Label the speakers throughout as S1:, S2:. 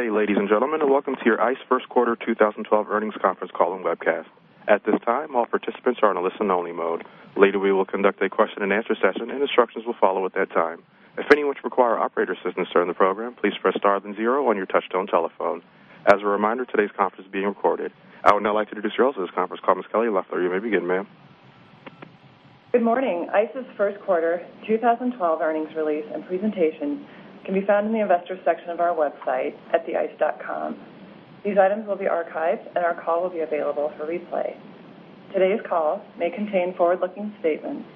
S1: Good day, ladies and gentlemen, and welcome to your ICE first quarter 2012 earnings conference call and webcast. At this time, all participants are in a listen only mode. Later, we will conduct a question and answer session, and instructions will follow at that time. If any which require operator assistance during the program, please press star then zero on your touchtone telephone. As a reminder, today's conference is being recorded. I would now like to introduce you all to this conference call. Ms. Kelly Loeffler, you may begin, ma'am.
S2: Good morning. ICE's first quarter 2012 earnings release and presentation can be found in the Investors section of our website at theice.com. These items will be archived, and our call will be available for replay. Today's call may contain forward-looking statements.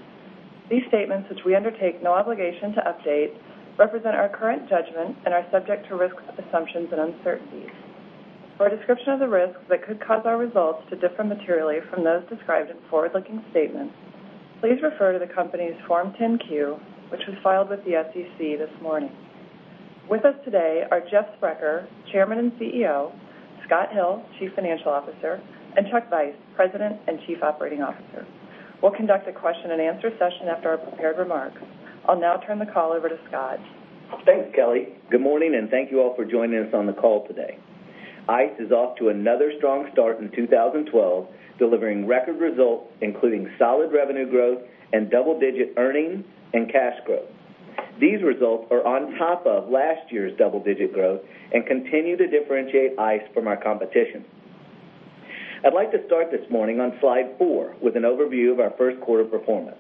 S2: These statements, which we undertake no obligation to update, represent our current judgment and are subject to risks, assumptions, and uncertainties. For a description of the risks that could cause our results to differ materially from those described in forward-looking statements, please refer to the company's Form 10-Q, which was filed with the SEC this morning. With us today are Jeff Sprecher, Chairman and CEO, Scott Hill, Chief Financial Officer, and Chuck Vice, President and Chief Operating Officer. We'll conduct a question and answer session after our prepared remarks. I'll now turn the call over to Scott.
S3: Thanks, Kelly. Good morning, and thank you all for joining us on the call today. ICE is off to another strong start in 2012, delivering record results, including solid revenue growth and double-digit earnings and cash growth. These results are on top of last year's double-digit growth and continue to differentiate ICE from our competition. I'd like to start this morning on slide four with an overview of our first quarter performance.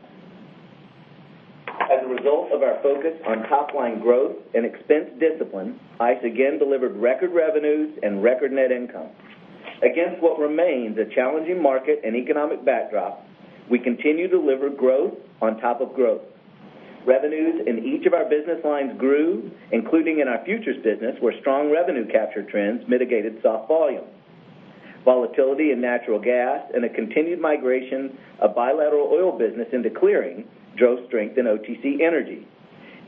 S3: As a result of our focus on top-line growth and expense discipline, ICE again delivered record revenues and record net income. Against what remains a challenging market and economic backdrop, we continue to deliver growth on top of growth. Revenues in each of our business lines grew, including in our futures business, where strong revenue capture trends mitigated soft volume. Volatility in natural gas and a continued migration of bilateral oil business into clearing drove strength in OTC energy,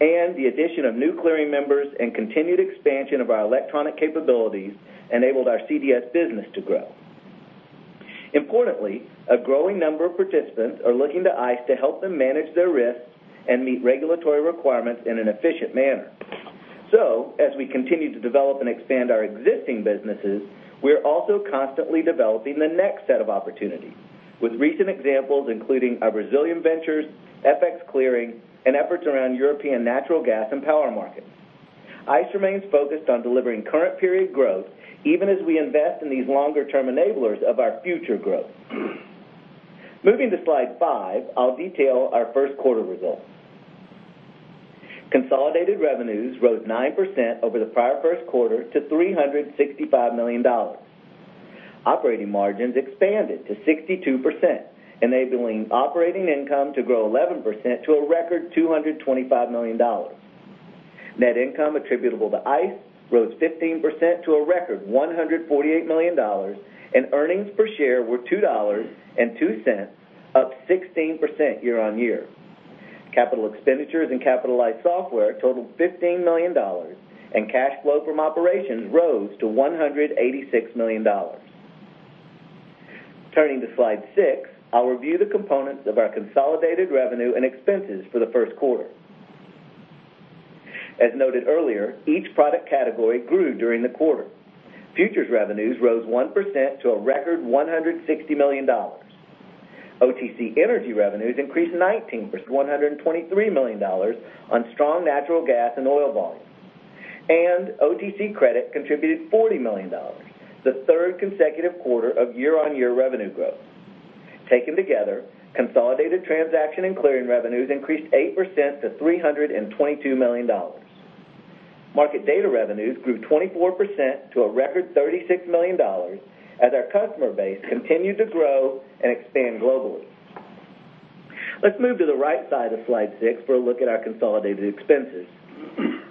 S3: and the addition of new clearing members and continued expansion of our electronic capabilities enabled our CDS business to grow. Importantly, a growing number of participants are looking to ICE to help them manage their risks and meet regulatory requirements in an efficient manner. As we continue to develop and expand our existing businesses, we're also constantly developing the next set of opportunities. With recent examples, including our Brazilian ventures, FX clearing, and efforts around European natural gas and power markets. ICE remains focused on delivering current period growth, even as we invest in these longer-term enablers of our future growth. Moving to slide five, I'll detail our first quarter results. Consolidated revenues rose 9% over the prior first quarter to $365 million. Operating margins expanded to 62%, enabling operating income to grow 11% to a record $225 million. Net income attributable to ICE rose 15% to a record $148 million, and earnings per share were $2.02, up 16% year-over-year. Capital expenditures and capitalized software totaled $15 million, and cash flow from operations rose to $186 million. Turning to slide six, I'll review the components of our consolidated revenue and expenses for the first quarter. As noted earlier, each product category grew during the quarter. Futures revenues rose 1% to a record $160 million. OTC energy revenues increased 19% to $123 million on strong natural gas and oil volumes. OTC credit contributed $40 million, the third consecutive quarter of year-over-year revenue growth. Taken together, consolidated transaction and clearing revenues increased 8% to $322 million. Market data revenues grew 24% to a record $36 million as our customer base continued to grow and expand globally. Let's move to the right side of slide six for a look at our consolidated expenses.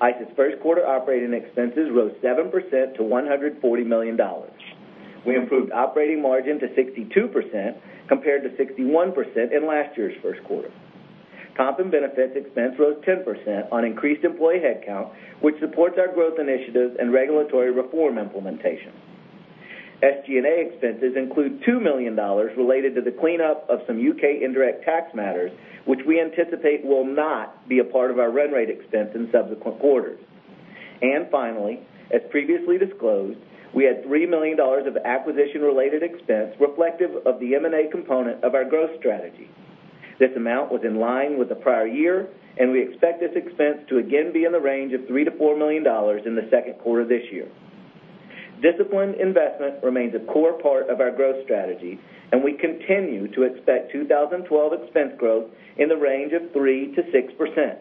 S3: ICE's first quarter operating expenses rose 7% to $140 million. We improved operating margin to 62%, compared to 61% in last year's first quarter. Comp and benefits expense rose 10% on increased employee headcount, which supports our growth initiatives and regulatory reform implementation. SG&A expenses include $2 million related to the cleanup of some U.K. indirect tax matters, which we anticipate will not be a part of our run rate expense in subsequent quarters. Finally, as previously disclosed, we had $3 million of acquisition-related expense reflective of the M&A component of our growth strategy. This amount was in line with the prior year, and we expect this expense to again be in the range of $3 million-$4 million in the second quarter this year. Disciplined investment remains a core part of our growth strategy, and we continue to expect 2012 expense growth in the range of 3%-6%.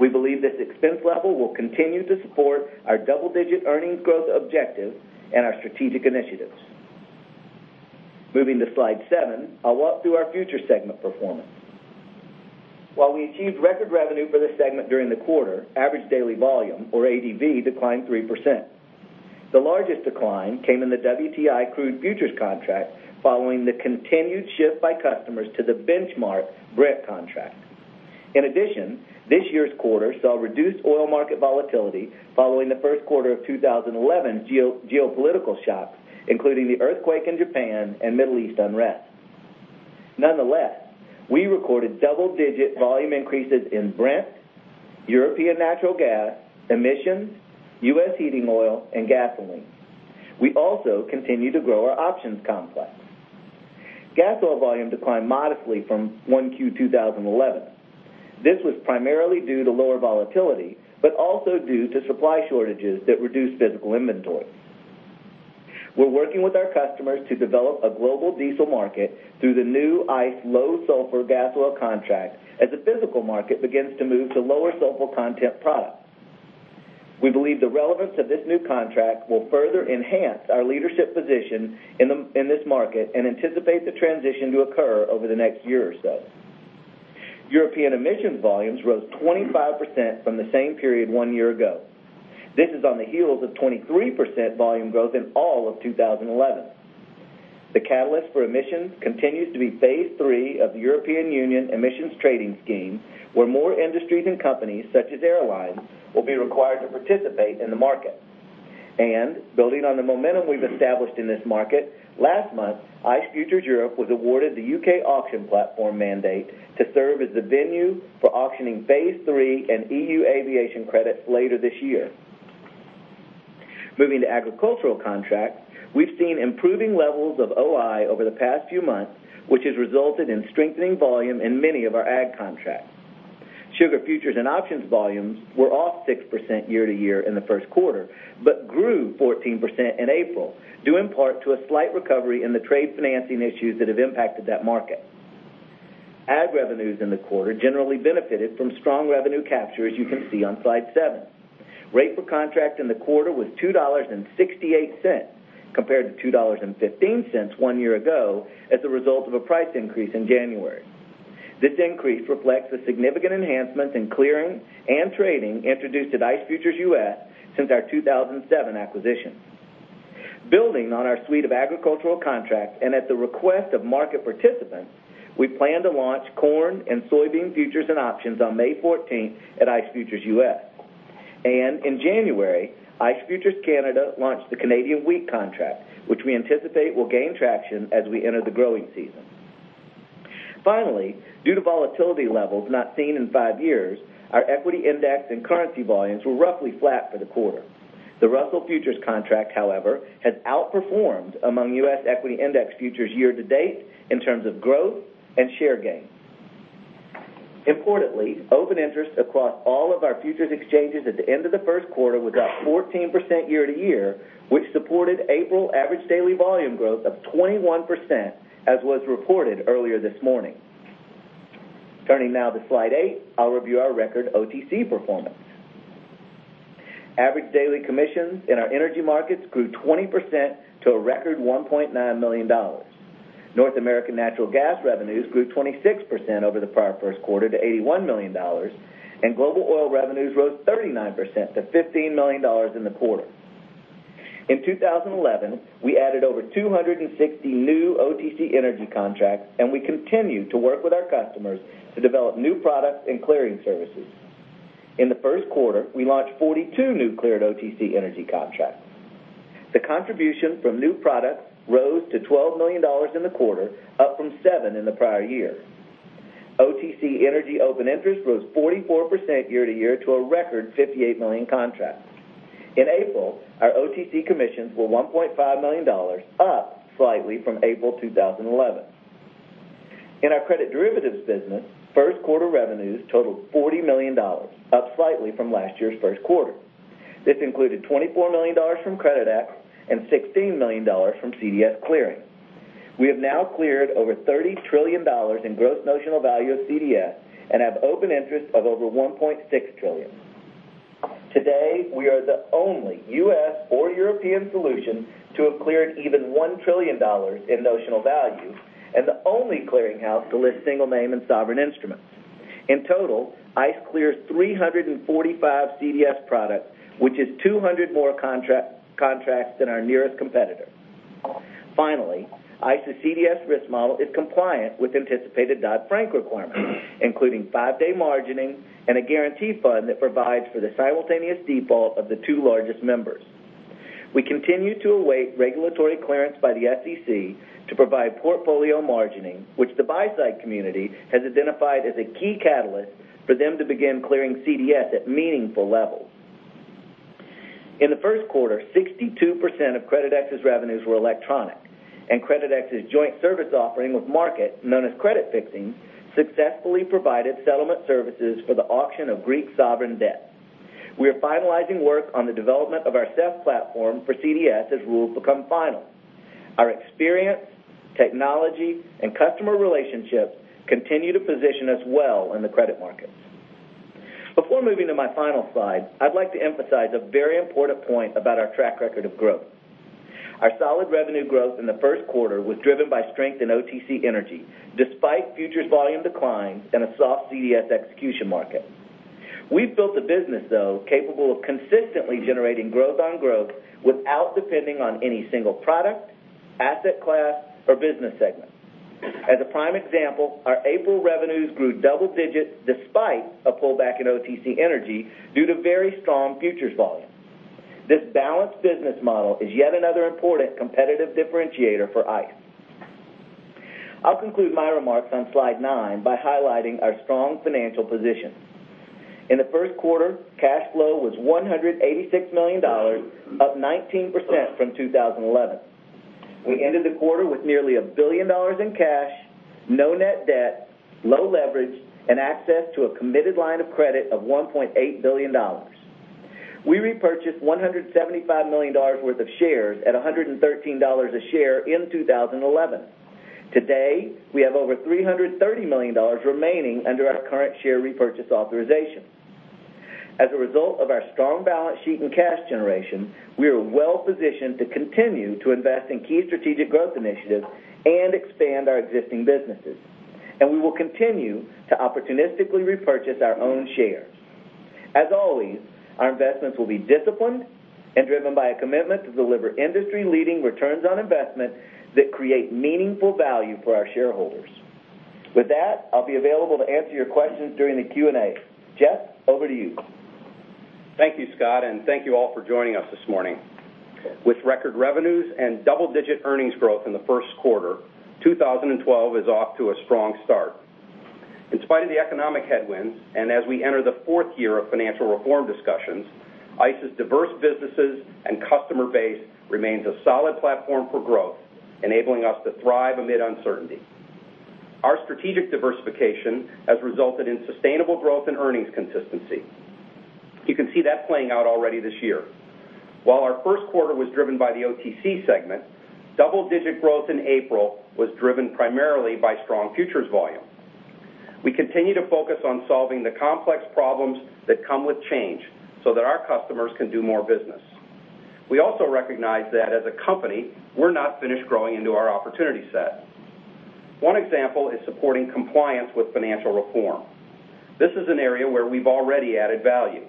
S3: We believe this expense level will continue to support our double-digit earnings growth objective and our strategic initiatives. Moving to slide seven, I'll walk through our future segment performance. While we achieved record revenue for this segment during the quarter, average daily volume, or ADV, declined 3%. The largest decline came in the WTI crude futures contract following the continued shift by customers to the benchmark Brent contract. In addition, this year's quarter saw reduced oil market volatility following the first quarter of 2011 geopolitical shock, including the earthquake in Japan and Middle East unrest. Nonetheless, we recorded double-digit volume increases in Brent, European natural gas, emissions, U.S. heating oil, and gasoline. We also continue to grow our options complex. Gasoil volume declined modestly from 1Q 2011. This was primarily due to lower volatility, but also due to supply shortages that reduced physical inventory. We're working with our customers to develop a global diesel market through the new ICE Low Sulphur Gasoil contract as the physical market begins to move to lower sulfur content product. We believe the relevance of this new contract will further enhance our leadership position in this market and anticipate the transition to occur over the next year or so. European emissions volumes rose 25% from the same period one year ago. This is on the heels of 23% volume growth in all of 2011. The catalyst for emissions continues to be phase III of the European Union Emissions Trading System, where more industries and companies, such as airlines, will be required to participate in the market. Building on the momentum we've established in this market, last month, ICE Futures Europe was awarded the U.K. auction platform mandate to serve as the venue for auctioning phase III and EU aviation credits later this year. Moving to agricultural contracts, we've seen improving levels of OI over the past few months, which has resulted in strengthening volume in many of our ag contracts. Sugar futures and options volumes were off 6% year-over-year in the first quarter, but grew 14% in April, due in part to a slight recovery in the trade financing issues that have impacted that market. Ag revenues in the quarter generally benefited from strong revenue capture, as you can see on slide seven. Rate per contract in the quarter was $2.68 compared to $2.15 one year ago as a result of a price increase in January. This increase reflects the significant enhancements in clearing and trading introduced at ICE Futures U.S. since our 2007 acquisition. Building on our suite of agricultural contracts, at the request of market participants, we plan to launch corn and soybean futures and options on May 14th at ICE Futures U.S. In January, ICE Futures Canada launched the Canadian wheat contract, which we anticipate will gain traction as we enter the growing season. Finally, due to volatility levels not seen in five years, our equity index and currency volumes were roughly flat for the quarter. The Russell Futures contract, however, has outperformed among U.S. equity index futures year to date in terms of growth and share gain. Importantly, open interest across all of our futures exchanges at the end of the first quarter was up 14% year-over-year, which supported April average daily volume growth of 21%, as was reported earlier this morning. Turning now to slide eight, I'll review our record OTC performance. Average daily commissions in our energy markets grew 20% to a record $1.9 million. North American natural gas revenues grew 26% over the prior first quarter to $81 million, and global oil revenues rose 39% to $15 million in the quarter. In 2011, we added over 260 new OTC energy contracts, and we continue to work with our customers to develop new products and clearing services. In the first quarter, we launched 42 new cleared OTC energy contracts. The contribution from new products rose to $12 million in the quarter, up from $7 million in the prior year. OTC energy open interest rose 44% year-over-year to a record 58 million contracts. In April, our OTC commissions were $1.5 million, up slightly from April 2011. In our credit derivatives business, first quarter revenues totaled $40 million, up slightly from last year's first quarter. This included $24 million from Creditex and $16 million from CDS Clearing. We have now cleared over $30 trillion in gross notional value of CDS and have open interest of over $1.6 trillion. Today, we are the only U.S. or European solution to have cleared even $1 trillion in notional value and the only clearing house to list single name and sovereign instruments. In total, ICE clears 345 CDS products, which is 200 more contracts than our nearest competitor. Finally, ICE's CDS risk model is compliant with anticipated Dodd-Frank requirements, including five-day margining and a guarantee fund that provides for the simultaneous default of the two largest members. We continue to await regulatory clearance by the SEC to provide portfolio margining, which the buy-side community has identified as a key catalyst for them to begin clearing CDS at meaningful levels. In the first quarter, 62% of Creditex's revenues were electronic, and Creditex's joint service offering with Markit, known as Credit Fixing, successfully provided settlement services for the auction of Greek sovereign debt. We are finalizing work on the development of our SEF platform for CDS as rules become final. Our experience, technology, and customer relationships continue to position us well in the credit markets. Before moving to my final slide, I'd like to emphasize a very important point about our track record of growth. Our solid revenue growth in the first quarter was driven by strength in OTC energy, despite futures volume declines and a soft CDS execution market. We've built a business, though, capable of consistently generating growth on growth without depending on any single product, asset class, or business segment. As a prime example, our April revenues grew double digits despite a pullback in OTC energy due to very strong futures volume. This balanced business model is yet another important competitive differentiator for ICE. I'll conclude my remarks on slide nine by highlighting our strong financial position. In the first quarter, cash flow was $186 million, up 19% from 2011. We ended the quarter with nearly $1 billion in cash, no net debt, low leverage, and access to a committed line of credit of $1.8 billion. We repurchased $175 million worth of shares at $113 a share in 2011. Today, we have over $330 million remaining under our current share repurchase authorization. As a result of our strong balance sheet and cash generation, we are well-positioned to continue to invest in key strategic growth initiatives and expand our existing businesses, and we will continue to opportunistically repurchase our own shares. As always, our investments will be disciplined and driven by a commitment to deliver industry-leading returns on investment that create meaningful value for our shareholders. With that, I'll be available to answer your questions during the Q&A. Jeff, over to you.
S4: Thank you, Scott, and thank you all for joining us this morning. With record revenues and double-digit earnings growth in the first quarter, 2012 is off to a strong start. In spite of the economic headwinds, as we enter the fourth year of financial reform discussions, ICE's diverse businesses and customer base remains a solid platform for growth, enabling us to thrive amid uncertainty. Our strategic diversification has resulted in sustainable growth and earnings consistency. You can see that playing out already this year. While our first quarter was driven by the OTC segment, double-digit growth in April was driven primarily by strong futures volume. We continue to focus on solving the complex problems that come with change so that our customers can do more business. We also recognize that as a company, we're not finished growing into our opportunity set. One example is supporting compliance with financial reform. This is an area where we've already added value.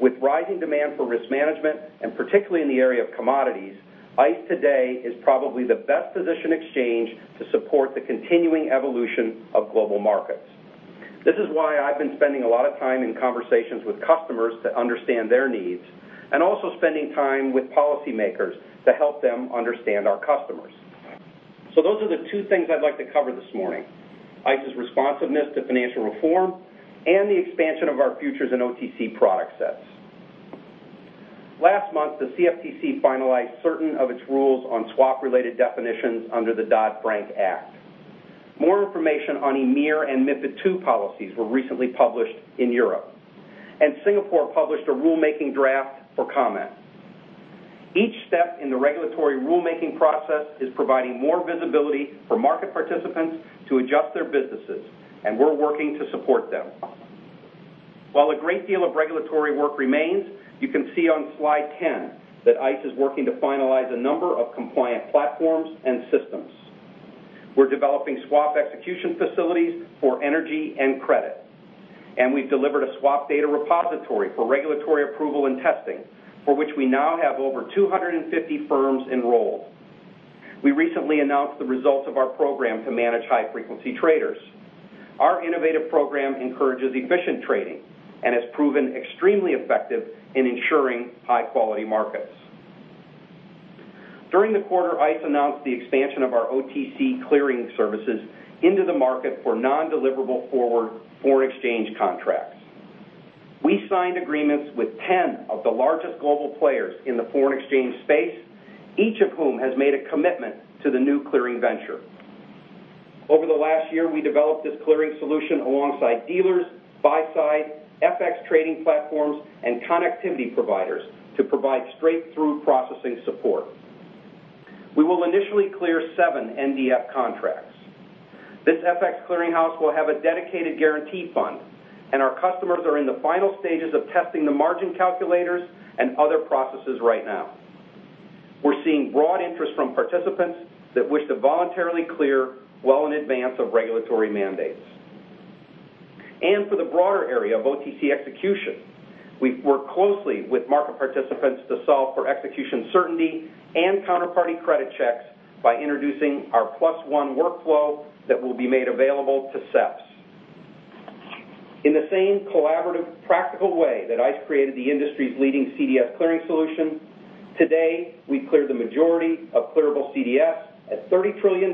S4: With rising demand for risk management, and particularly in the area of commodities, ICE today is probably the best-positioned exchange to support the continuing evolution of global markets. This is why I've been spending a lot of time in conversations with customers to understand their needs, also spending time with policymakers to help them understand our customers. Those are the two things I'd like to cover this morning: ICE's responsiveness to financial reform and the expansion of our futures and OTC product sets. Last month, the CFTC finalized certain of its rules on swap-related definitions under the Dodd-Frank Act. More information on EMIR and MiFID II policies were recently published in Europe. Singapore published a rulemaking draft for comment. Each step in the regulatory rulemaking process is providing more visibility for market participants to adjust their businesses, and we're working to support them. While a great deal of regulatory work remains, you can see on slide 10 that ICE is working to finalize a number of compliant platforms and systems. We're developing swap execution facilities for energy and credit, and we've delivered a swap data repository for regulatory approval and testing, for which we now have over 250 firms enrolled. We recently announced the results of our program to manage high-frequency traders. Our innovative program encourages efficient trading and has proven extremely effective in ensuring high-quality markets. During the quarter, ICE announced the expansion of our OTC clearing services into the market for non-deliverable forward foreign exchange contracts. We signed agreements with 10 of the largest global players in the foreign exchange space, each of whom has made a commitment to the new clearing venture. Over the last year, we developed this clearing solution alongside dealers, buy-side, FX trading platforms, and connectivity providers to provide straight-through processing support. We will initially clear seven NDF contracts. This FX clearinghouse will have a dedicated guarantee fund, and our customers are in the final stages of testing the margin calculators and other processes right now. We're seeing broad interest from participants that wish to voluntarily clear well in advance of regulatory mandates. For the broader area of OTC execution, we've worked closely with market participants to solve for execution certainty and counterparty credit checks by introducing our Plus One workflow that will be made available to SEFs. In the same collaborative, practical way that ICE created the industry's leading CDS clearing solution, today, we clear the majority of clearable CDS at $30 trillion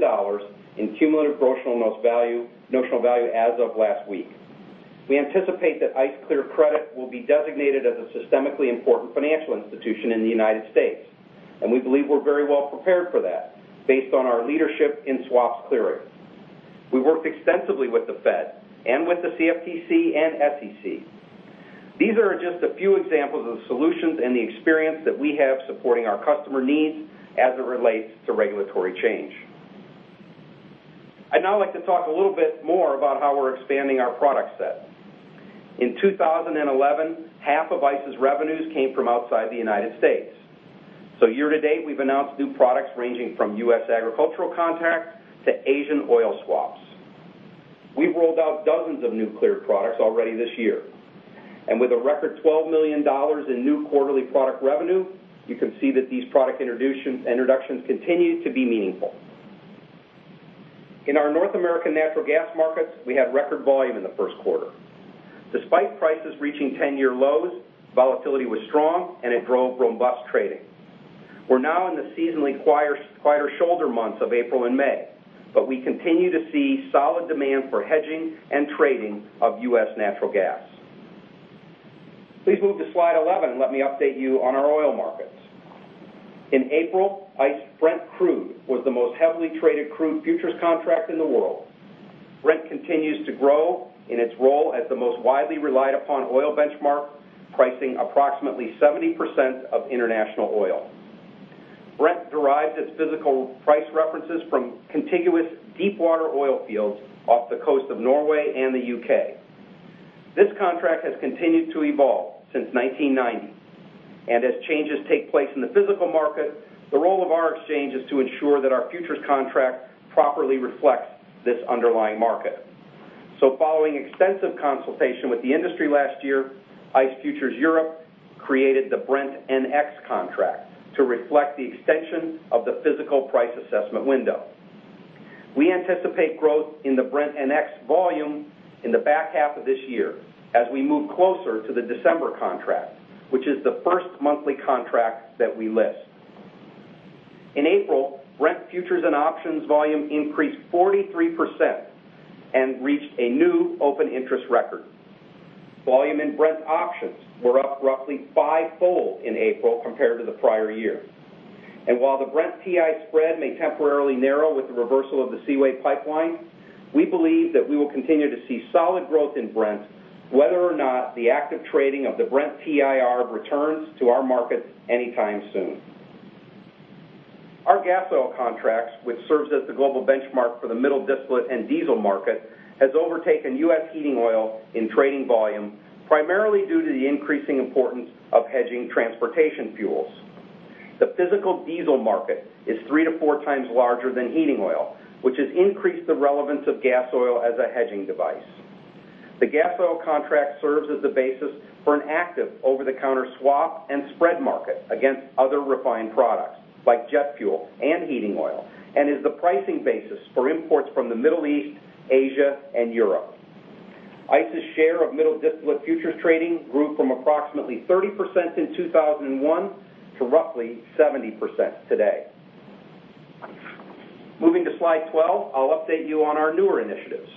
S4: in cumulative gross notional value as of last week. We anticipate that ICE Clear Credit will be designated as a systemically important financial institution in the United States, and we believe we're very well prepared for that based on our leadership in swaps clearing. We worked extensively with the Fed and with the CFTC and SEC. These are just a few examples of solutions and the experience that we have supporting our customer needs as it relates to regulatory change. I'd now like to talk a little bit more about how we're expanding our product set. In 2011, half of ICE's revenues came from outside the United States. Year to date, we've announced new products ranging from U.S. agricultural contracts to Asian oil swaps. We've rolled out dozens of new cleared products already this year. With a record $12 million in new quarterly product revenue, you can see that these product introductions continue to be meaningful. In our North American natural gas markets, we had record volume in the first quarter. Despite prices reaching 10-year lows, volatility was strong, it drove robust trading. We're now in the seasonally quieter shoulder months of April and May, we continue to see solid demand for hedging and trading of U.S. natural gas. Please move to slide 11, let me update you on our oil markets. In April, ICE Brent Crude was the most heavily traded crude futures contract in the world. Brent continues to grow in its role as the most widely relied-upon oil benchmark, pricing approximately 70% of international oil. Brent derives its physical price references from contiguous deepwater oil fields off the coast of Norway and the U.K. This contract has continued to evolve since 1990, as changes take place in the physical market, the role of our exchange is to ensure that our futures contract properly reflects this underlying market. Following extensive consultation with the industry last year, ICE Futures Europe created the Brent NX contract to reflect the extension of the physical price assessment window. We anticipate growth in the Brent NX volume in the back half of this year as we move closer to the December contract, which is the first monthly contract that we list. In April, Brent futures and options volume increased 43%, reached a new open interest record. Volume in Brent options were up roughly fivefold in April compared to the prior year. While the Brent WTI spread may temporarily narrow with the reversal of the Seaway Pipeline, we believe that we will continue to see solid growth in Brent, whether or not the active trading of the Brent WTI returns to our markets anytime soon. Our gas oil contract, which serves as the global benchmark for the middle distillate and diesel market, has overtaken U.S. heating oil in trading volume, primarily due to the increasing importance of hedging transportation fuels. The physical diesel market is three to four times larger than heating oil, which has increased the relevance of gas oil as a hedging device. The gas oil contract serves as the basis for an active over-the-counter swap and spread market against other refined products like jet fuel and heating oil, is the pricing basis for imports from the Middle East, Asia, and Europe. ICE's share of middle distillate futures trading grew from approximately 30% in 2001 to roughly 70% today. Moving to slide 12, I'll update you on our newer initiatives.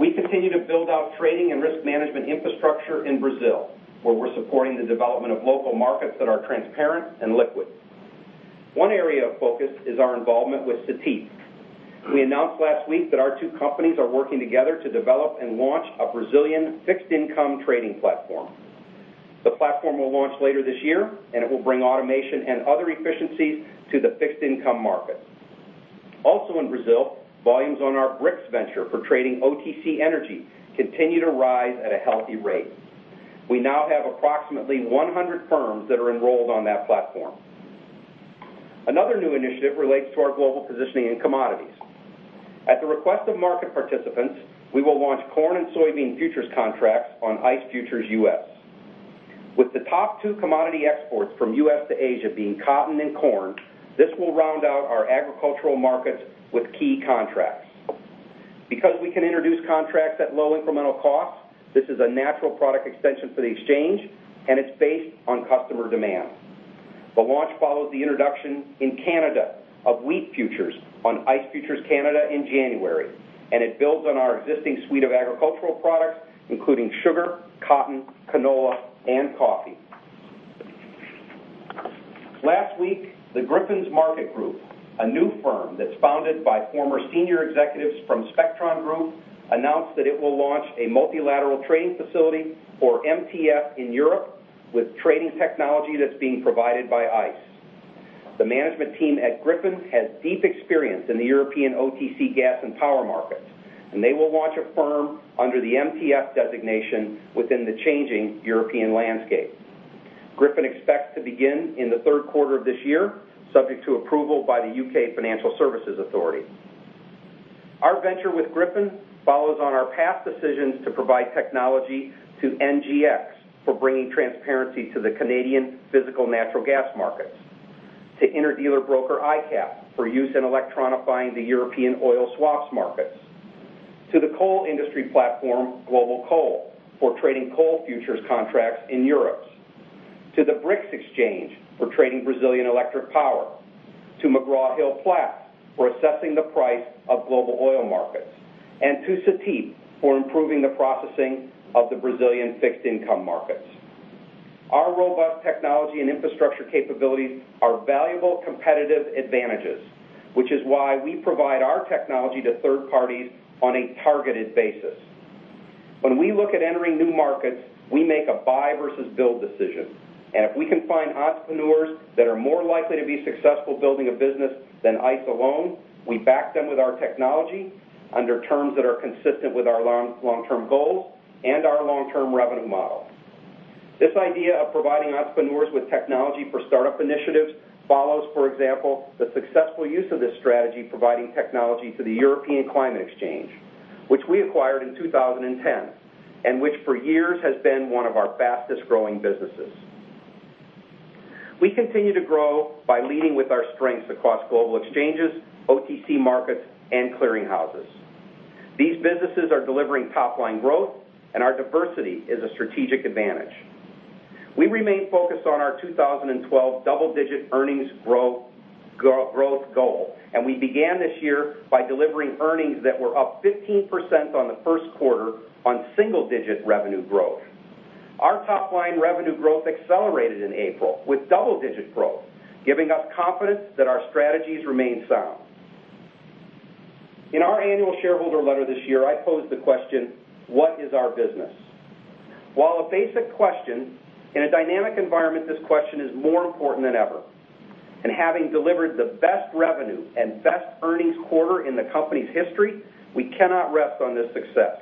S4: We continue to build out trading and risk management infrastructure in Brazil, where we're supporting the development of local markets that are transparent and liquid. One area of focus is our involvement with Cetip. We announced last week that our two companies are working together to develop a Brazilian fixed-income trading platform. The platform will launch later this year, it will bring automation and other efficiencies to the fixed-income market. Also in Brazil, volumes on our BRIX venture for trading OTC energy continue to rise at a healthy rate. We now have approximately 100 firms that are enrolled on that platform. Another new initiative relates to our global positioning in commodities. At the request of market participants, we will launch corn and soybean futures contracts on ICE Futures U.S. With the top two commodity exports from U.S. to Asia being cotton and corn, this will round out our agricultural markets with key contracts. Because we can introduce contracts at low incremental cost, this is a natural product extension for the exchange, and it's based on customer demand. The launch follows the introduction in Canada of wheat futures on ICE Futures Canada in January, and it builds on our existing suite of agricultural products, including sugar, cotton, canola, and coffee. Last week, the Griffin Markets Group, a new firm that's founded by former senior executives from Spectron Group, announced that it will launch a multilateral trading facility or MTF in Europe with trading technology that's being provided by ICE. The management team at Griffin has deep experience in the European OTC gas and power markets, and they will launch a firm under the MTF designation within the changing European landscape. Griffin expects to begin in the third quarter of this year, subject to approval by the U.K. Financial Services Authority. Our venture with Griffin follows on our past decisions to provide technology to NGX for bringing transparency to the Canadian physical natural gas markets, to interdealer broker ICAP for use in electronifying the European oil swaps markets, to the coal industry platform, globalCOAL, for trading coal futures contracts in Europe, to the BRIX exchange for trading Brazilian electric power, to McGraw-Hill Platts for assessing the price of global oil markets, and to Cetip for improving the processing of the Brazilian fixed-income markets. Our robust technology and infrastructure capabilities are valuable competitive advantages, which is why we provide our technology to third parties on a targeted basis. When we look at entering new markets, we make a buy versus build decision, and if we can find entrepreneurs that are more likely to be successful building a business than ICE alone, we back them with our technology under terms that are consistent with our long-term goals and our long-term revenue model. This idea of providing entrepreneurs with technology for startup initiatives follows, for example, the successful use of this strategy, providing technology to the European Climate Exchange, which we acquired in 2010 and which for years has been one of our fastest-growing businesses. We continue to grow by leading with our strengths across global exchanges, OTC markets, and clearing houses. These businesses are delivering top-line growth, and our diversity is a strategic advantage. We remain focused on our 2012 double-digit earnings growth goal. We began this year by delivering earnings that were up 15% on the first quarter on single-digit revenue growth. Our top-line revenue growth accelerated in April with double-digit growth, giving us confidence that our strategies remain sound. In our annual shareholder letter this year, I posed the question, what is our business? While a basic question, in a dynamic environment, this question is more important than ever. Having delivered the best revenue and best earnings quarter in the company's history, we cannot rest on this success.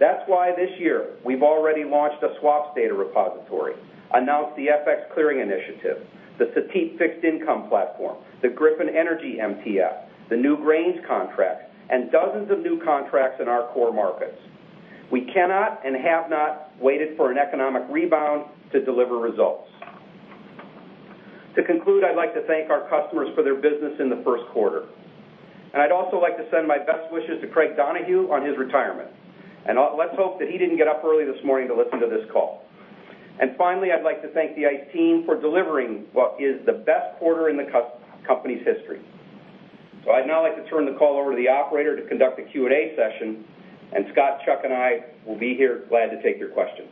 S4: That's why this year we've already launched a swaps data repository, announced the FX clearing initiative, the Cetip fixed income platform, the Griffin Energy MTF, the new grains contract, and dozens of new contracts in our core markets. We cannot and have not waited for an economic rebound to deliver results. To conclude, I'd like to thank our customers for their business in the first quarter. I'd also like to send my best wishes to Craig Donohue on his retirement. Let's hope that he didn't get up early this morning to listen to this call. Finally, I'd like to thank the ICE team for delivering what is the best quarter in the company's history. I'd now like to turn the call over to the operator to conduct the Q&A session, and Scott, Chuck, and I will be here, glad to take your questions.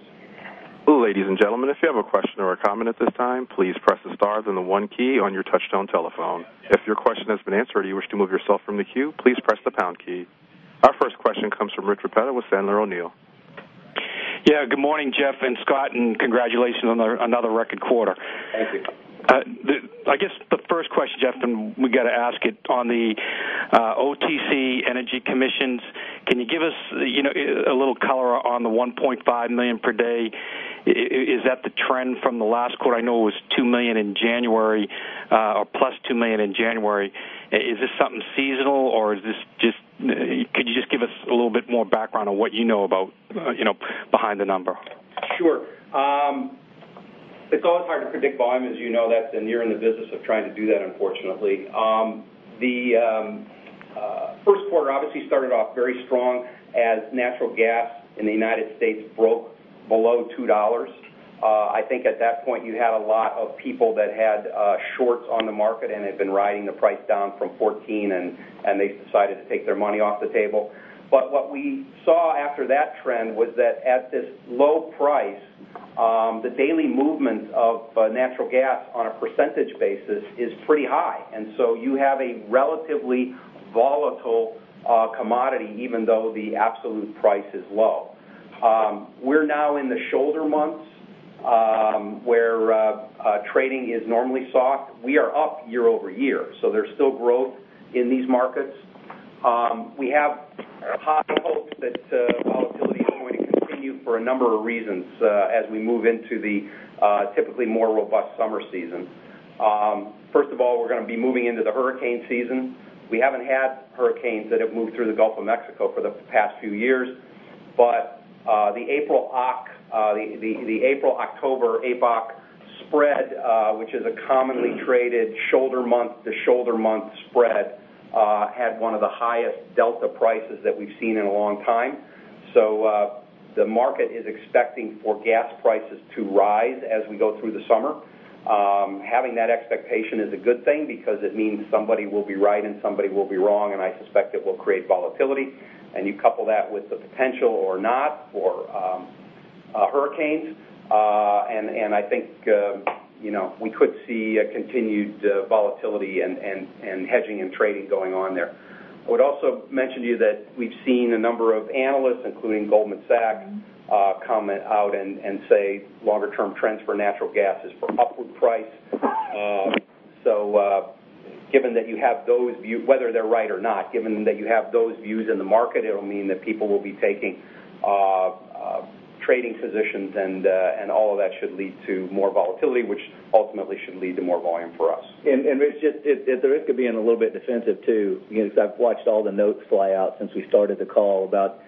S1: Ladies and gentlemen, if you have a question or a comment at this time, please press the star then the one key on your touchtone telephone. If your question has been answered or you wish to remove yourself from the queue, please press the pound key. Our first question comes from Richard Repetto with Sandler O'Neill.
S5: Yeah. Good morning, Jeff and Scott, congratulations on another record quarter.
S4: Thank you.
S5: I guess the first question, Jeff, we got to ask it, on the OTC energy commissions, can you give us a little color on the $1.5 million per day? Is that the trend from the last quarter? I know it was $2 million in January, or +$2 million in January. Is this something seasonal, or could you just give us a little bit more background on what you know about behind the number?
S4: Sure. It's always hard to predict volume, as you know, you're in the business of trying to do that, unfortunately. The first quarter obviously started off very strong as natural gas in the U.S. broke below $2. I think at that point, you had a lot of people that had shorts on the market and had been riding the price down from 14, they decided to take their money off the table. What we saw after that trend was that at this low price, the daily movement of natural gas on a percentage basis is pretty high. You have a relatively volatile commodity, even though the absolute price is low. We're now in the shoulder months, where trading is normally soft. We are up year-over-year, there's still growth in these markets. We have high hopes that volatility is going to continue for a number of reasons as we move into the typically more robust summer season. First of all, we're going to be moving into the hurricane season. We haven't had hurricanes that have moved through the Gulf of Mexico for the past few years. The April, October, OAS spread, which is a commonly traded shoulder month to shoulder month spread, had one of the highest delta prices that we've seen in a long time. The market is expecting for gas prices to rise as we go through the summer. Having that expectation is a good thing because it means somebody will be right and somebody will be wrong, I suspect it will create volatility. You couple that with the potential or not for hurricanes, I think we could see a continued volatility and hedging and trading going on there. I would also mention to you that we've seen a number of analysts, including Goldman Sachs, comment out and say longer term trends for natural gas is for upward price. Given that you have those views, whether they're right or not, given that you have those views in the market, it'll mean that people will be taking trading positions, all of that should lead to more volatility, which ultimately should lead to more volume for us.
S3: Rich, at the risk of being a little bit defensive, too, because I've watched all the notes fly out since we started the call about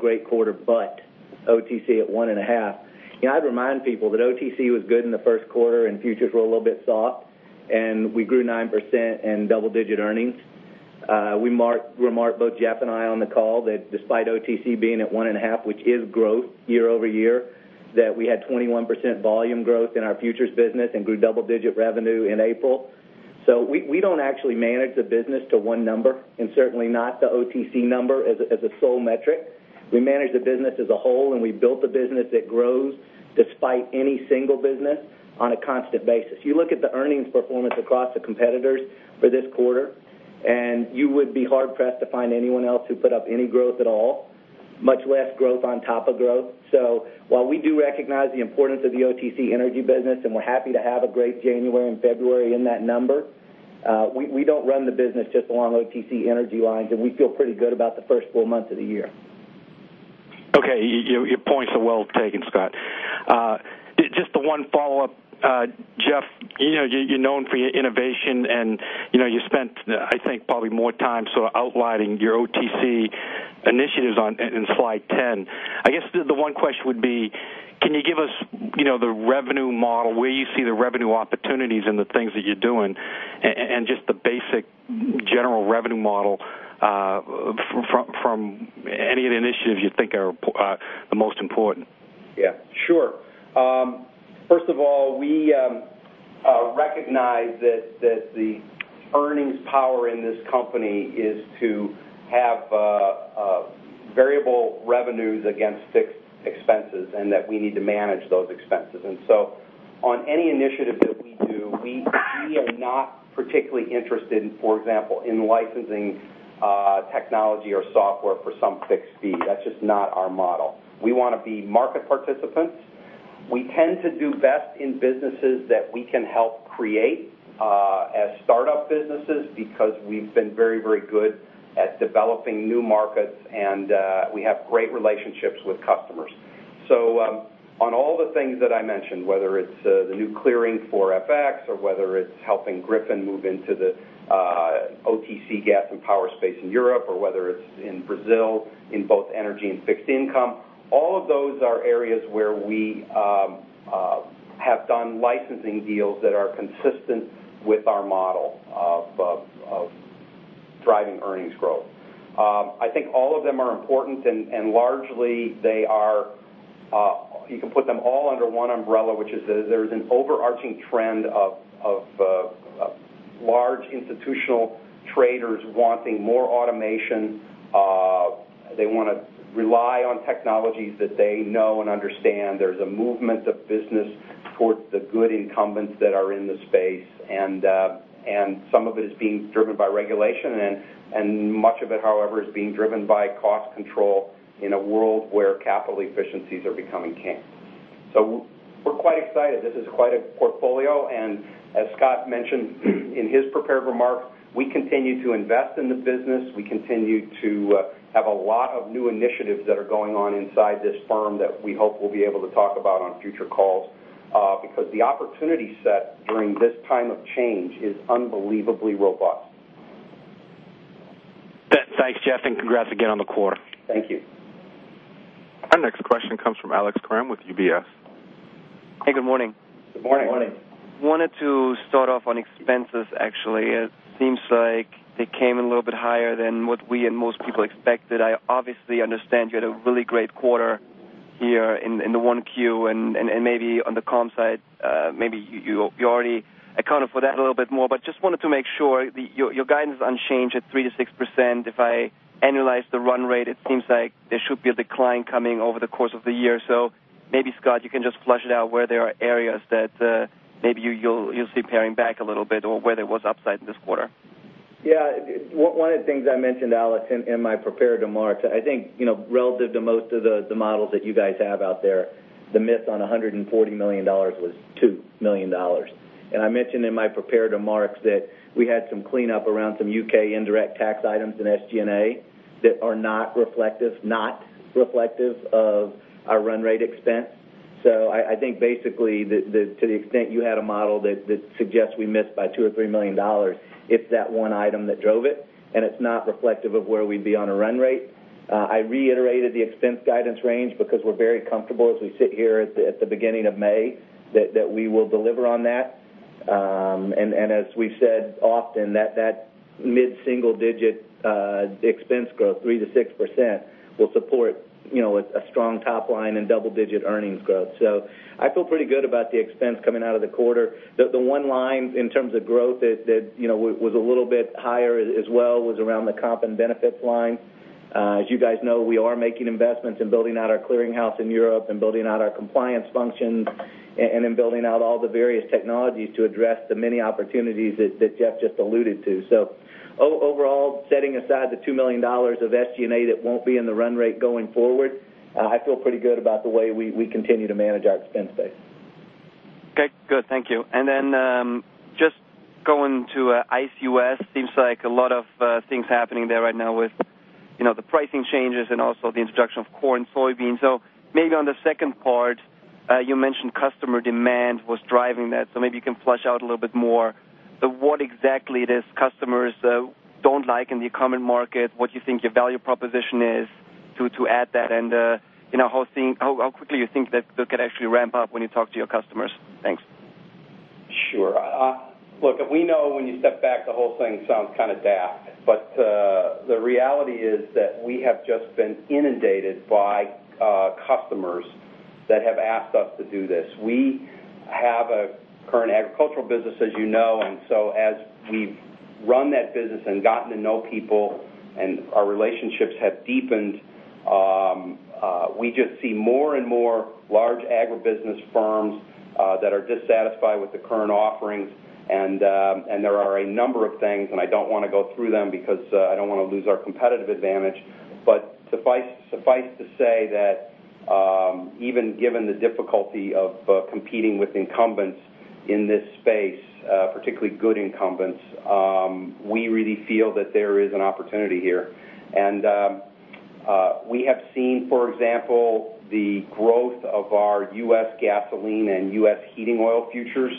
S3: great quarter, but OTC at one and a half. I'd remind people that OTC was good in the first quarter and futures were a little bit soft, we grew 9% in double-digit earnings. We remarked, both Jeff and I, on the call that despite OTC being at one and a half, which is growth year-over-year, that we had 21% volume growth in our futures business and grew double-digit revenue in April. We don't actually manage the business to one number, and certainly not the OTC number as a sole metric. We manage the business as a whole, we built a business that grows despite any single business on a constant basis. You look at the earnings performance across the competitors for this quarter, you would be hard-pressed to find anyone else who put up any growth at all, much less growth on top of growth. While we do recognize the importance of the OTC energy business, we're happy to have a great January and February in that number, we don't run the business just along OTC energy lines, we feel pretty good about the first full month of the year.
S5: Okay. Your points are well taken, Scott. Just the one follow-up, Jeff, you're known for your innovation, you spent, I think, probably more time sort of outlining your OTC initiatives in slide 10. I guess the one question would be, can you give us the revenue model, where you see the revenue opportunities, the things that you're doing, just the basic general revenue model from any of the initiatives you think are the most important?
S4: Yeah. Sure. First of all, we recognize that the earnings power in this company is to have variable revenues against fixed expenses, and that we need to manage those expenses. On any initiative that we do, we are not particularly interested, for example, in licensing technology or software for some fixed fee. That's just not our model. We want to be market participants. We tend to do best in businesses that we can help create as startup businesses because we've been very good at developing new markets and we have great relationships with customers. On all the things that I mentioned, whether it's the new clearing for FX or whether it's helping Griffin move into the OTC gas and power space in Europe, or whether it's in Brazil in both energy and fixed income, all of those are areas where we have done licensing deals that are consistent with our model of driving earnings growth. I think all of them are important and largely you can put them all under one umbrella, which is that there's an overarching trend of large institutional traders wanting more automation. They want to rely on technologies that they know and understand. There's a movement of business towards the good incumbents that are in the space and some of it is being driven by regulation, and much of it, however, is being driven by cost control in a world where capital efficiencies are becoming king. We're quite excited. This is quite a portfolio, and as Scott mentioned in his prepared remarks, we continue to invest in the business. We continue to have a lot of new initiatives that are going on inside this firm that we hope we'll be able to talk about on future calls, because the opportunity set during this time of change is unbelievably robust.
S5: Thanks, Jeff, congrats again on the quarter.
S4: Thank you.
S1: Our next question comes from Alex Kramm with UBS.
S6: Hey, good morning.
S4: Good morning.
S6: Wanted to start off on expenses, actually. It seems like they came in a little bit higher than what we and most people expected. I obviously understand you had a really great quarter here in the Q1, and maybe on the comp side, maybe you already accounted for that a little bit more, but just wanted to make sure. Your guidance is unchanged at 3%-6%. If I annualize the run rate, it seems like there should be a decline coming over the course of the year. Maybe, Scott, you can just flush it out where there are areas that maybe you'll see paring back a little bit or where there was upside this quarter.
S3: Yeah. One of the things I mentioned, Alex, in my prepared remarks, I think, relative to most of the models that you guys have out there, the miss on $140 million was $2 million. I mentioned in my prepared remarks that we had some cleanup around some U.K. indirect tax items in SG&A that are not reflective of our run rate expense. I think basically to the extent you had a model that suggests we missed by $2 or $3 million, it's that one item that drove it, and it's not reflective of where we'd be on a run rate. I reiterated the expense guidance range because we're very comfortable as we sit here at the beginning of May that we will deliver on that. As we've said often, that mid-single-digit expense growth, 3%-6%, will support a strong top line and double-digit earnings growth. I feel pretty good about the expense coming out of the quarter. The one line in terms of growth that was a little bit higher as well was around the comp and benefits line. As you guys know, we are making investments in building out our clearinghouse in Europe and building out our compliance function, and in building out all the various technologies to address the many opportunities that Jeff just alluded to. Overall, setting aside the $2 million of SG&A that won't be in the run rate going forward, I feel pretty good about the way we continue to manage our expense base.
S6: Okay, good. Thank you. Just going to ICE U.S., seems like a lot of things happening there right now with the pricing changes and also the introduction of corn and soybeans. Maybe on the second part, you mentioned customer demand was driving that, so maybe you can flush out a little bit more what exactly it is customers don't like in the current market, what you think your value proposition is to add that, and how quickly you think that could actually ramp up when you talk to your customers. Thanks.
S4: Sure. Look, we know when you step back, the whole thing sounds kind of daft, but the reality is that we have just been inundated by customers that have asked us to do this. We have a current agricultural business, as you know, as we've run that business and gotten to know people and our relationships have deepened, we just see more and more large agribusiness firms that are dissatisfied with the current offerings. There are a number of things, I don't want to go through them because I don't want to lose our competitive advantage, suffice to say that, even given the difficulty of competing with incumbents in this space, particularly good incumbents, we really feel that there is an opportunity here. We have seen, for example, the growth of our U.S. gasoline and U.S. heating oil futures,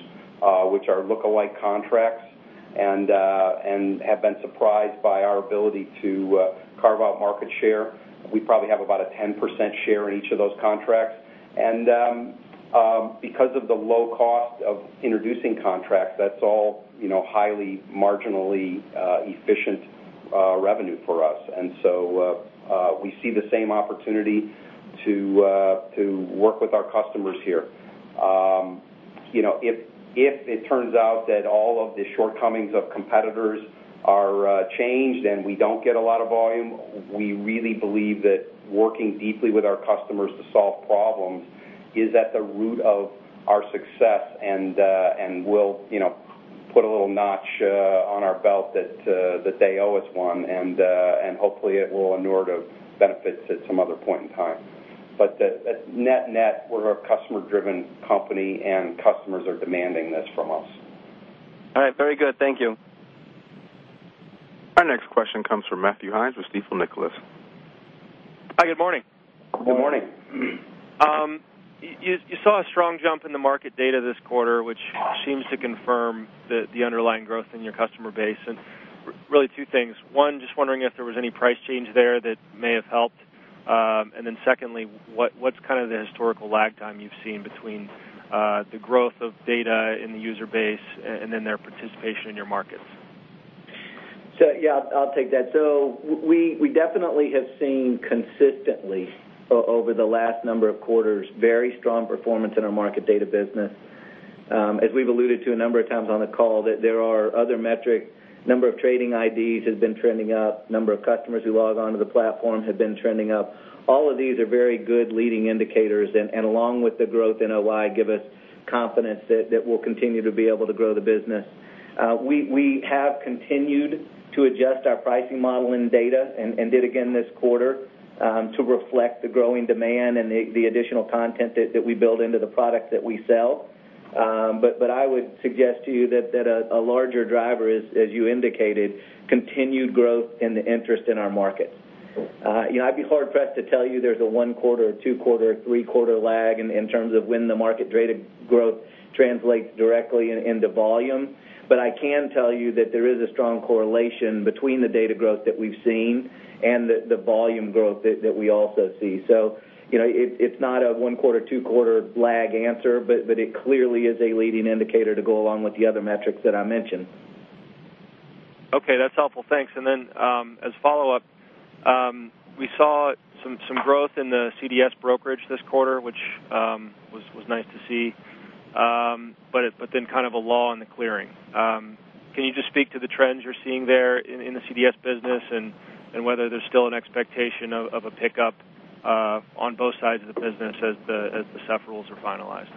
S4: which are lookalike contracts
S3: Have been surprised by our ability to carve out market share. We probably have about a 10% share in each of those contracts. Because of the low cost of introducing contracts, that's all highly marginally efficient revenue for us. We see the same opportunity to work with our customers here. If it turns out that all of the shortcomings of competitors are changed and we don't get a lot of volume, we really believe that working deeply with our customers to solve problems is at the root of our success and we'll put a little notch on our belt that they owe us one, hopefully it will inure to benefits at some other point in time. At net, we're a customer-driven company, customers are demanding this from us.
S6: All right. Very good. Thank you.
S1: Our next question comes from Matthew Heinz with Stifel Nicolaus.
S7: Hi, good morning.
S3: Good morning.
S7: You saw a strong jump in the market data this quarter, which seems to confirm the underlying growth in your customer base. Really two things. One, just wondering if there was any price change there that may have helped. Then secondly, what's kind of the historical lag time you've seen between the growth of data in the user base and then their participation in your markets?
S3: Yeah, I'll take that. We definitely have seen consistently, over the last number of quarters, very strong performance in our market data business. As we've alluded to a number of times on the call, that there are other metrics, number of trading IDs has been trending up, number of customers who log onto the platform have been trending up. All of these are very good leading indicators, and along with the growth in OI, give us confidence that we'll continue to be able to grow the business. We have continued to adjust our pricing model in data, and did again this quarter, to reflect the growing demand and the additional content that we build into the products that we sell. I would suggest to you that a larger driver is, as you indicated, continued growth in the interest in our market. I'd be hard-pressed to tell you there's a one quarter, or two quarter, or three quarter lag in terms of when the market data growth translates directly into volume. I can tell you that there is a strong correlation between the data growth that we've seen and the volume growth that we also see. It's not a one quarter, two quarter lag answer, but it clearly is a leading indicator to go along with the other metrics that I mentioned.
S7: Okay, that's helpful. Thanks. As follow-up, we saw some growth in the CDS brokerage this quarter, which was nice to see. Kind of a lull in the clearing. Can you just speak to the trends you're seeing there in the CDS business, and whether there's still an expectation of a pickup on both sides of the business as the SEF rules are finalized?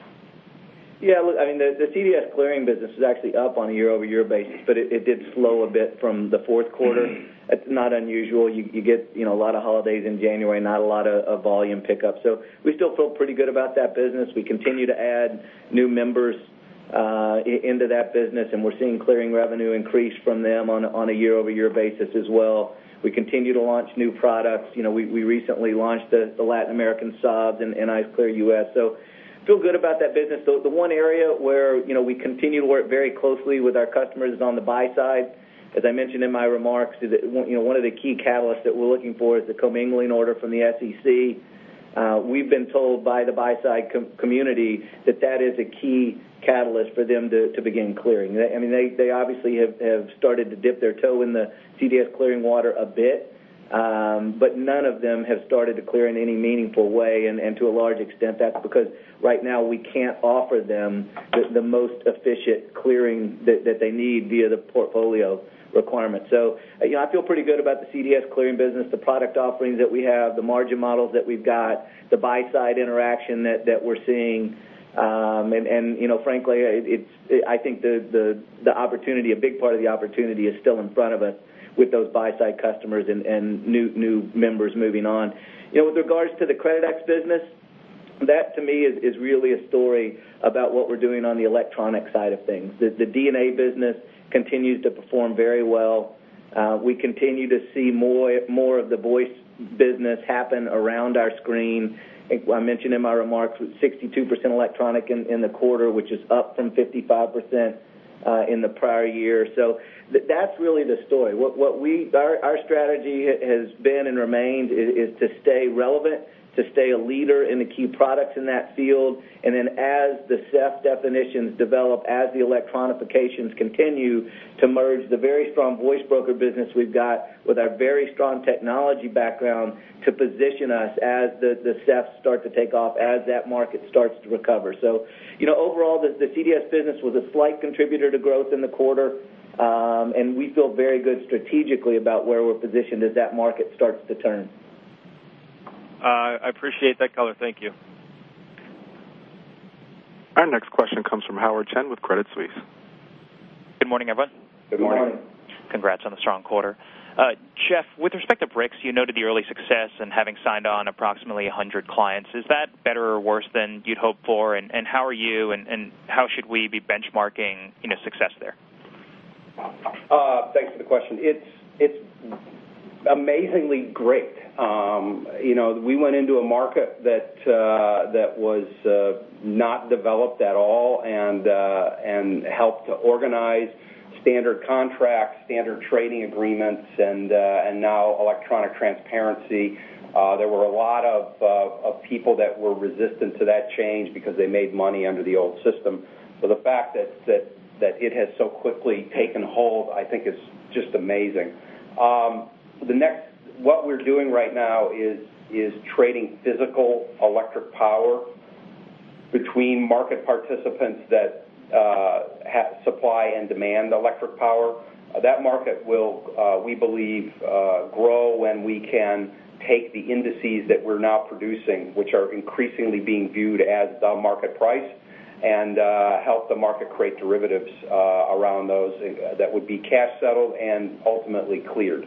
S3: Yeah, look, I mean, the CDS clearing business is actually up on a year-over-year basis, but it did slow a bit from the fourth quarter. It's not unusual. You get a lot of holidays in January, not a lot of volume pickup. We still feel pretty good about that business. We continue to add new members into that business, and we're seeing clearing revenue increase from them on a year-over-year basis as well. We continue to launch new products. We recently launched the Latin American SoBs in ICE Clear U.S. Feel good about that business. The one area where we continue to work very closely with our customers is on the buy side. As I mentioned in my remarks, one of the key catalysts that we're looking for is the commingling order from the SEC. We've been told by the buy side community that that is a key catalyst for them to begin clearing. They obviously have started to dip their toe in the CDS clearing water a bit. None of them have started to clear in any meaningful way. To a large extent, that's because right now we can't offer them the most efficient clearing that they need via the portfolio requirement. I feel pretty good about the CDS clearing business, the product offerings that we have, the margin models that we've got, the buy side interaction that we're seeing. Frankly, I think a big part of the opportunity is still in front of us with those buy side customers and new members moving on. With regards to the Creditex business, that to me is really a story about what we're doing on the electronic side of things. The DNA business continues to perform very well. We continue to see more of the voice business happen around our screen. I mentioned in my remarks, 62% electronic in the quarter, which is up from 55% in the prior year. That's really the story. Our strategy has been and remains, is to stay relevant, to stay a leader in the key products in that field. As the SEF definitions develop, as the electronifications continue to merge the very strong voice broker business we've got with our very strong technology background to position us as the SEFs start to take off, as that market starts to recover. Overall, the CDS business was a slight contributor to growth in the quarter. We feel very good strategically about where we're positioned as that market starts to turn.
S7: I appreciate that color. Thank you.
S1: Our next question comes from Howard Chen with Credit Suisse.
S8: Good morning, everyone.
S3: Good morning.
S8: Congrats on the strong quarter. Jeff, with respect to BRIX, you noted the early success in having signed on approximately 100 clients. Is that better or worse than you'd hoped for? How are you, how should we be benchmarking success there?
S4: Thanks for the question. Amazingly great. We went into a market that was not developed at all and helped to organize standard contracts, standard trading agreements, and now electronic transparency. There were a lot of people that were resistant to that change because they made money under the old system. The fact that it has so quickly taken hold, I think is just amazing. What we're doing right now is trading physical electric power between market participants that supply and demand electric power. That market will, we believe, grow when we can take the indices that we're now producing, which are increasingly being viewed as the market price, and help the market create derivatives around those that would be cash-settled and ultimately cleared.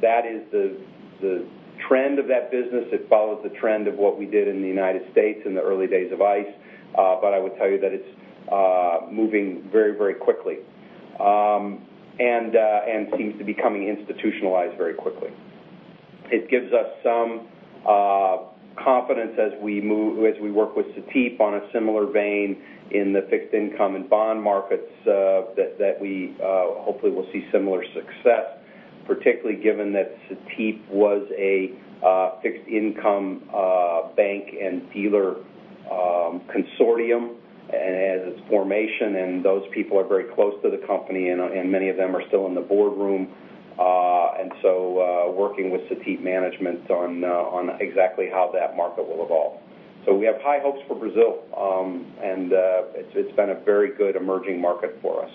S4: That is the trend of that business. It follows the trend of what we did in the U.S. in the early days of ICE, but I would tell you that it's moving very quickly, and seems to be becoming institutionalized very quickly. It gives us some confidence as we work with Cetip on a similar vein in the fixed income and bond markets, that we hopefully will see similar success, particularly given that Cetip was a fixed-income bank and dealer consortium at its formation, and those people are very close to the company and many of them are still in the boardroom. Working with Cetip management on exactly how that market will evolve. We have high hopes for Brazil, and it's been a very good emerging market for us.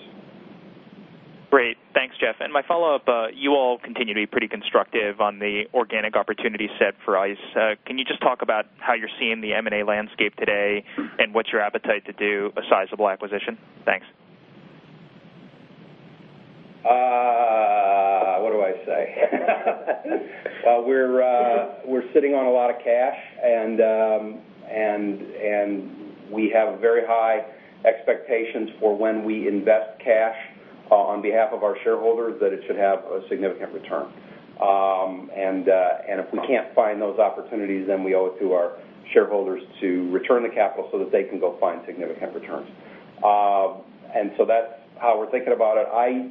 S8: Great. Thanks, Jeff. My follow-up, you all continue to be pretty constructive on the organic opportunity set for ICE. Can you just talk about how you're seeing the M&A landscape today, and what's your appetite to do a sizable acquisition? Thanks.
S4: What do I say? We're sitting on a lot of cash, we have very high expectations for when we invest cash on behalf of our shareholders, that it should have a significant return. If we can't find those opportunities, then we owe it to our shareholders to return the capital so that they can go find significant returns. That's how we're thinking about it. I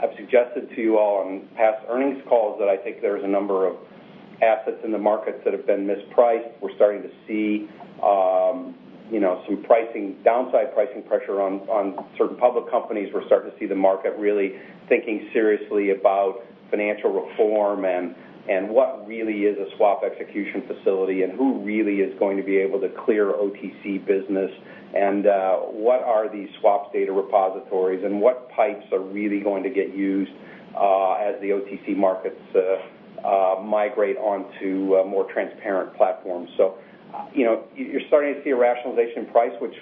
S4: have suggested to you all on past earnings calls that I think there's a number of assets in the markets that have been mispriced. We're starting to see some downside pricing pressure on certain public companies. We're starting to see the market really thinking seriously about financial reform and what really is a swap execution facility and who really is going to be able to clear OTC business and what are the swaps data repositories, what pipes are really going to get used as the OTC markets migrate onto more transparent platforms. You're starting to see a rationalization price, which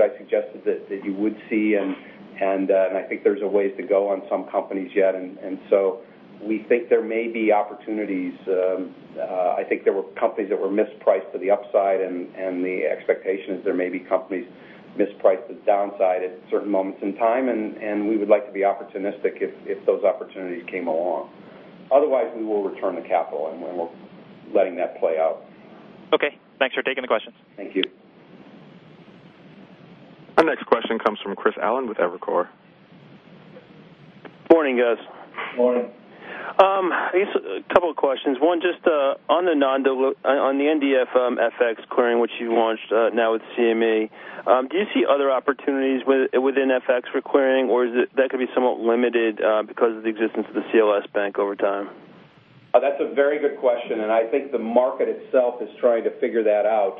S4: I suggested that you would see, I think there's a ways to go on some companies yet. We think there may be opportunities. I think there were companies that were mispriced to the upside. The expectation is there may be companies mispriced to the downside at certain moments in time. We would like to be opportunistic if those opportunities came along. Otherwise, we will return the capital and we're letting that play out.
S8: Okay. Thanks for taking the questions.
S4: Thank you.
S1: Our next question comes from Chris Allen with Evercore.
S9: Morning, guys.
S4: Morning.
S9: I guess a couple of questions. One, just on the NDF FX clearing, which you launched now with CME, do you see other opportunities within FX for clearing, or that could be somewhat limited because of the existence of the CLS bank over time?
S4: That's a very good question, and I think the market itself is trying to figure that out.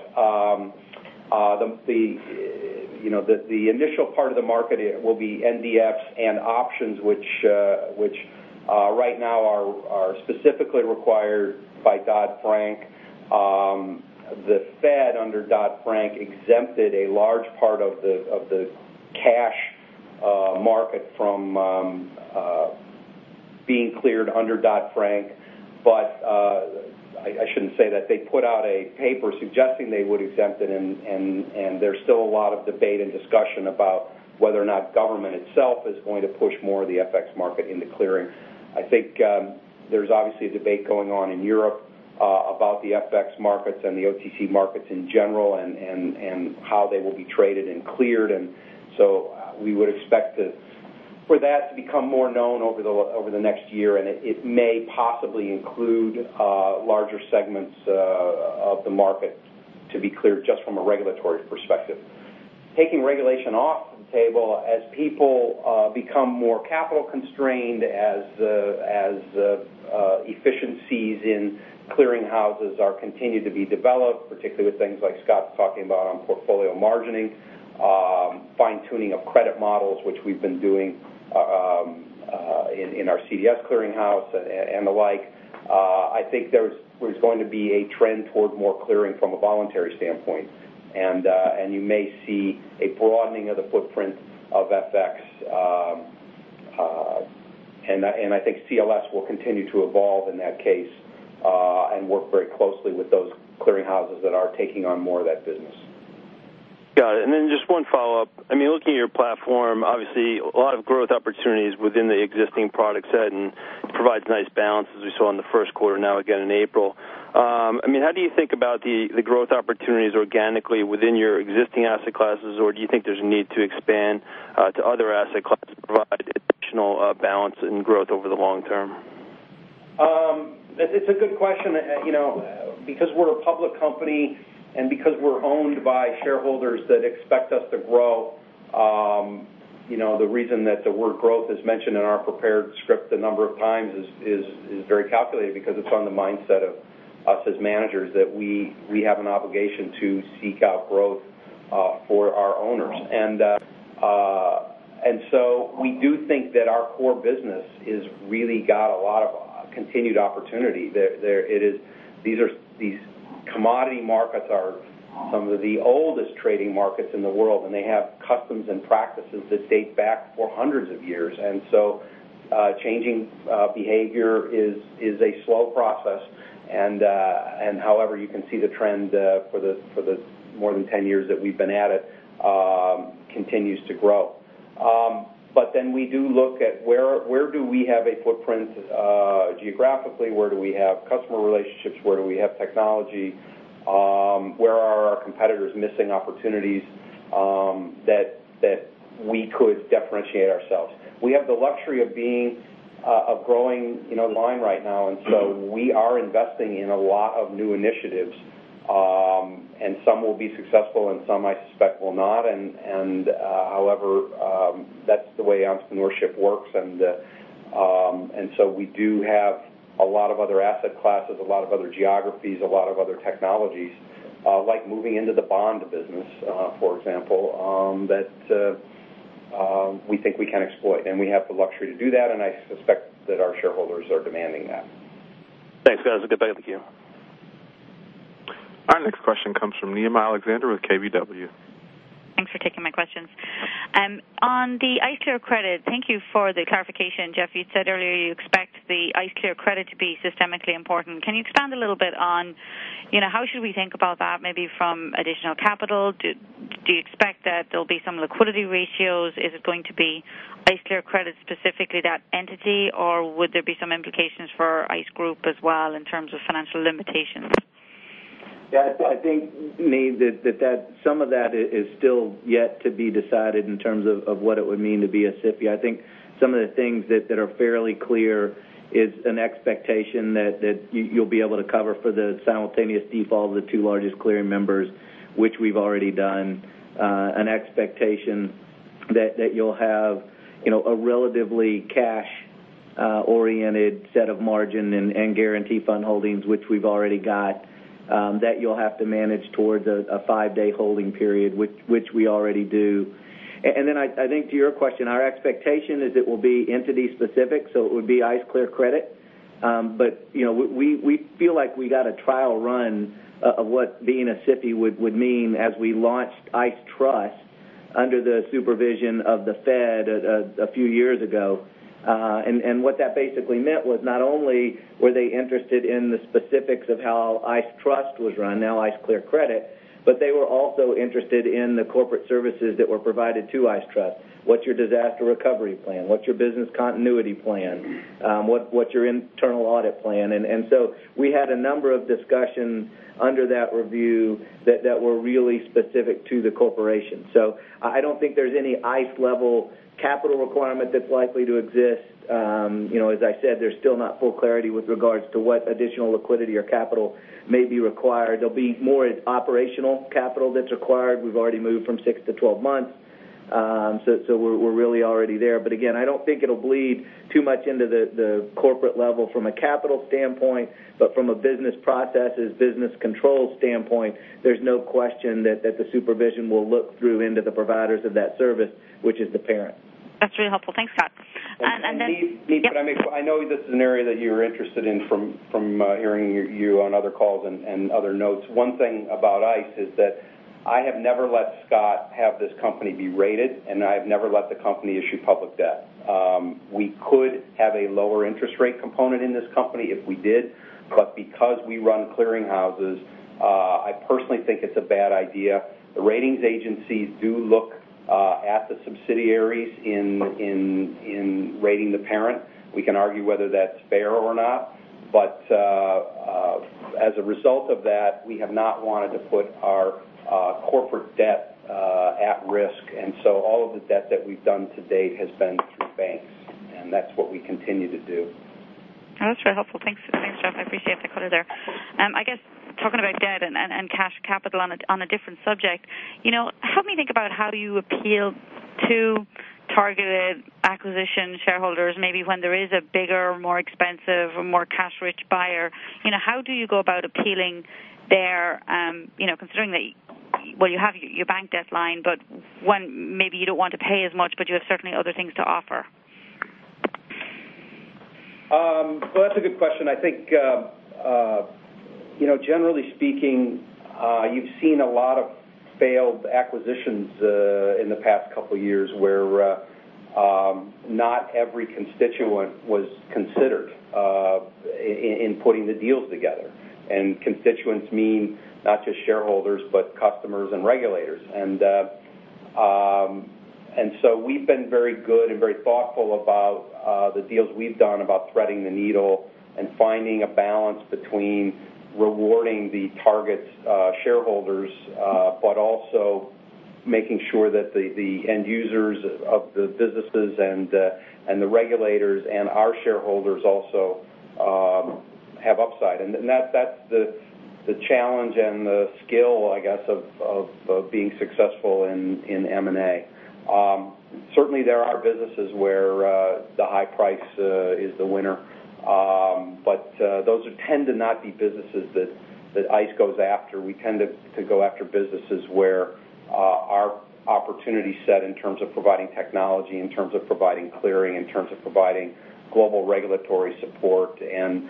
S4: The initial part of the market will be NDFs and options, which right now are specifically required by Dodd-Frank. The Fed, under Dodd-Frank, exempted a large part of the cash market from being cleared under Dodd-Frank. I shouldn't say that they put out a paper suggesting they would exempt it, and there's still a lot of debate and discussion about whether or not government itself is going to push more of the FX market into clearing. I think there's obviously a debate going on in Europe about the FX markets and the OTC markets in general and how they will be traded and cleared, and so we would expect for that to become more known over the next year, and it may possibly include larger segments of the market to be cleared just from a regulatory perspective. Taking regulation off the table, as people become more capital constrained, as efficiencies in clearing houses are continued to be developed, particularly with things like Scott's talking about on portfolio margining, fine-tuning of credit models, which we've been doing in our CDS clearing house and the like, I think there's going to be a trend toward more clearing from a voluntary standpoint. You may see a broadening of the footprint of FX, and I think CLS will continue to evolve in that case, and work very closely with those clearing houses that are taking on more of that business.
S9: Just one follow-up. Looking at your platform, obviously a lot of growth opportunities within the existing product set, and it provides nice balance as we saw in the first quarter, now again in April. How do you think about the growth opportunities organically within your existing asset classes, or do you think there's a need to expand to other asset classes to provide additional balance and growth over the long term?
S4: It's a good question. Because we're a public company and because we're owned by shareholders that expect us to grow, the reason that the word growth is mentioned in our prepared script a number of times is very calculated because it's on the mindset of us as managers that we have an obligation to seek out growth for our owners. We do think that our core business has really got a lot of continued opportunity. These commodity markets are some of the oldest trading markets in the world, and they have customs and practices that date back for hundreds of years. Changing behavior is a slow process and however you can see the trend for the more than 10 years that we've been at it, continues to grow. We do look at where do we have a footprint geographically? Where do we have customer relationships? Where do we have technology? Where are our competitors missing opportunities that we could differentiate ourselves? We have the luxury of growing line right now, we are investing in a lot of new initiatives. Some will be successful and some I suspect will not. However, that's the way entrepreneurship works. We do have a lot of other asset classes, a lot of other geographies, a lot of other technologies, like moving into the bond business, for example, that we think we can exploit. We have the luxury to do that, and I suspect that our shareholders are demanding that.
S9: Thanks, guys, and get back to you.
S1: Our next question comes from Niamh Alexander with KBW.
S10: Thanks for taking my questions. On the ICE Clear Credit, thank you for the clarification, Jeff. You'd said earlier you expect the ICE Clear Credit to be systemically important. Can you expand a little bit on how should we think about that, maybe from additional capital? Do you expect that there'll be some liquidity ratios? Is it going to be ICE Clear Credit, specifically that entity, or would there be some implications for ICE Group as well in terms of financial limitations?
S3: I think, Niamh, that some of that is still yet to be decided in terms of what it would mean to be a SIFI. I think some of the things that are fairly clear is an expectation that you'll be able to cover for the simultaneous default of the two largest clearing members, which we've already done. An expectation that you'll have a relatively cash-oriented set of margin and guarantee fund holdings, which we've already got, that you'll have to manage towards a five-day holding period, which we already do. I think to your question, our expectation is it will be entity specific, so it would be ICE Clear Credit. We feel like we got a trial run of what being a SIFI would mean as we launched ICE Trust under the supervision of the Fed a few years ago. What that basically meant was not only were they interested in the specifics of how ICE Trust was run, now ICE Clear Credit, but they were also interested in the corporate services that were provided to ICE Trust. What's your disaster recovery plan? What's your business continuity plan? What's your internal audit plan? We had a number of discussions under that review that were really specific to the corporation. I don't think there's any ICE level capital requirement that's likely to exist. As I said, there's still not full clarity with regards to what additional liquidity or capital may be required. There'll be more operational capital that's required. We've already moved from 6 to 12 months. We're really already there. Again, I don't think it'll bleed too much into the corporate level from a capital standpoint, from a business processes, business control standpoint, there's no question that the supervision will look through into the providers of that service, which is the parent.
S10: That's really helpful. Thanks, Scott.
S4: Niamh.
S10: Yep.
S4: I know this is an area that you're interested in from hearing you on other calls and other notes. One thing about ICE is that I have never let Scott have this company be rated, and I've never let the company issue public debt. We could have a lower interest rate component in this company if we did, because we run clearing houses, I personally think it's a bad idea. The ratings agencies do look at the subsidiaries in rating the parent. We can argue whether that's fair or not, as a result of that, we have not wanted to put our corporate debt at risk. All of the debt that we've done to date has been through banks, and that's what we continue to do.
S10: That's very helpful. Thanks, Jeff. I appreciate that color there. I guess talking about debt and cash capital on a different subject, help me think about how you appeal to targeted acquisition shareholders, maybe when there is a bigger, more expensive, or more cash-rich buyer. How do you go about appealing there, considering that, well, you have your bank debt line, but when maybe you don't want to pay as much, but you have certainly other things to offer?
S4: Well, that's a good question. I think, generally speaking, you've seen a lot of failed acquisitions in the past couple of years where not every constituent was considered in putting the deals together. Constituents mean not just shareholders, but customers and regulators. We've been very good and very thoughtful about the deals we've done, about threading the needle and finding a balance between rewarding the target shareholders, but also making sure that the end users of the businesses and the regulators and our shareholders also have upside. That's the challenge and the skill, I guess, of being successful in M&A. Certainly, there are businesses where the high price is the winner. Those tend to not be businesses that ICE goes after. We tend to go after businesses where our opportunity set in terms of providing technology, in terms of providing clearing, in terms of providing global regulatory support and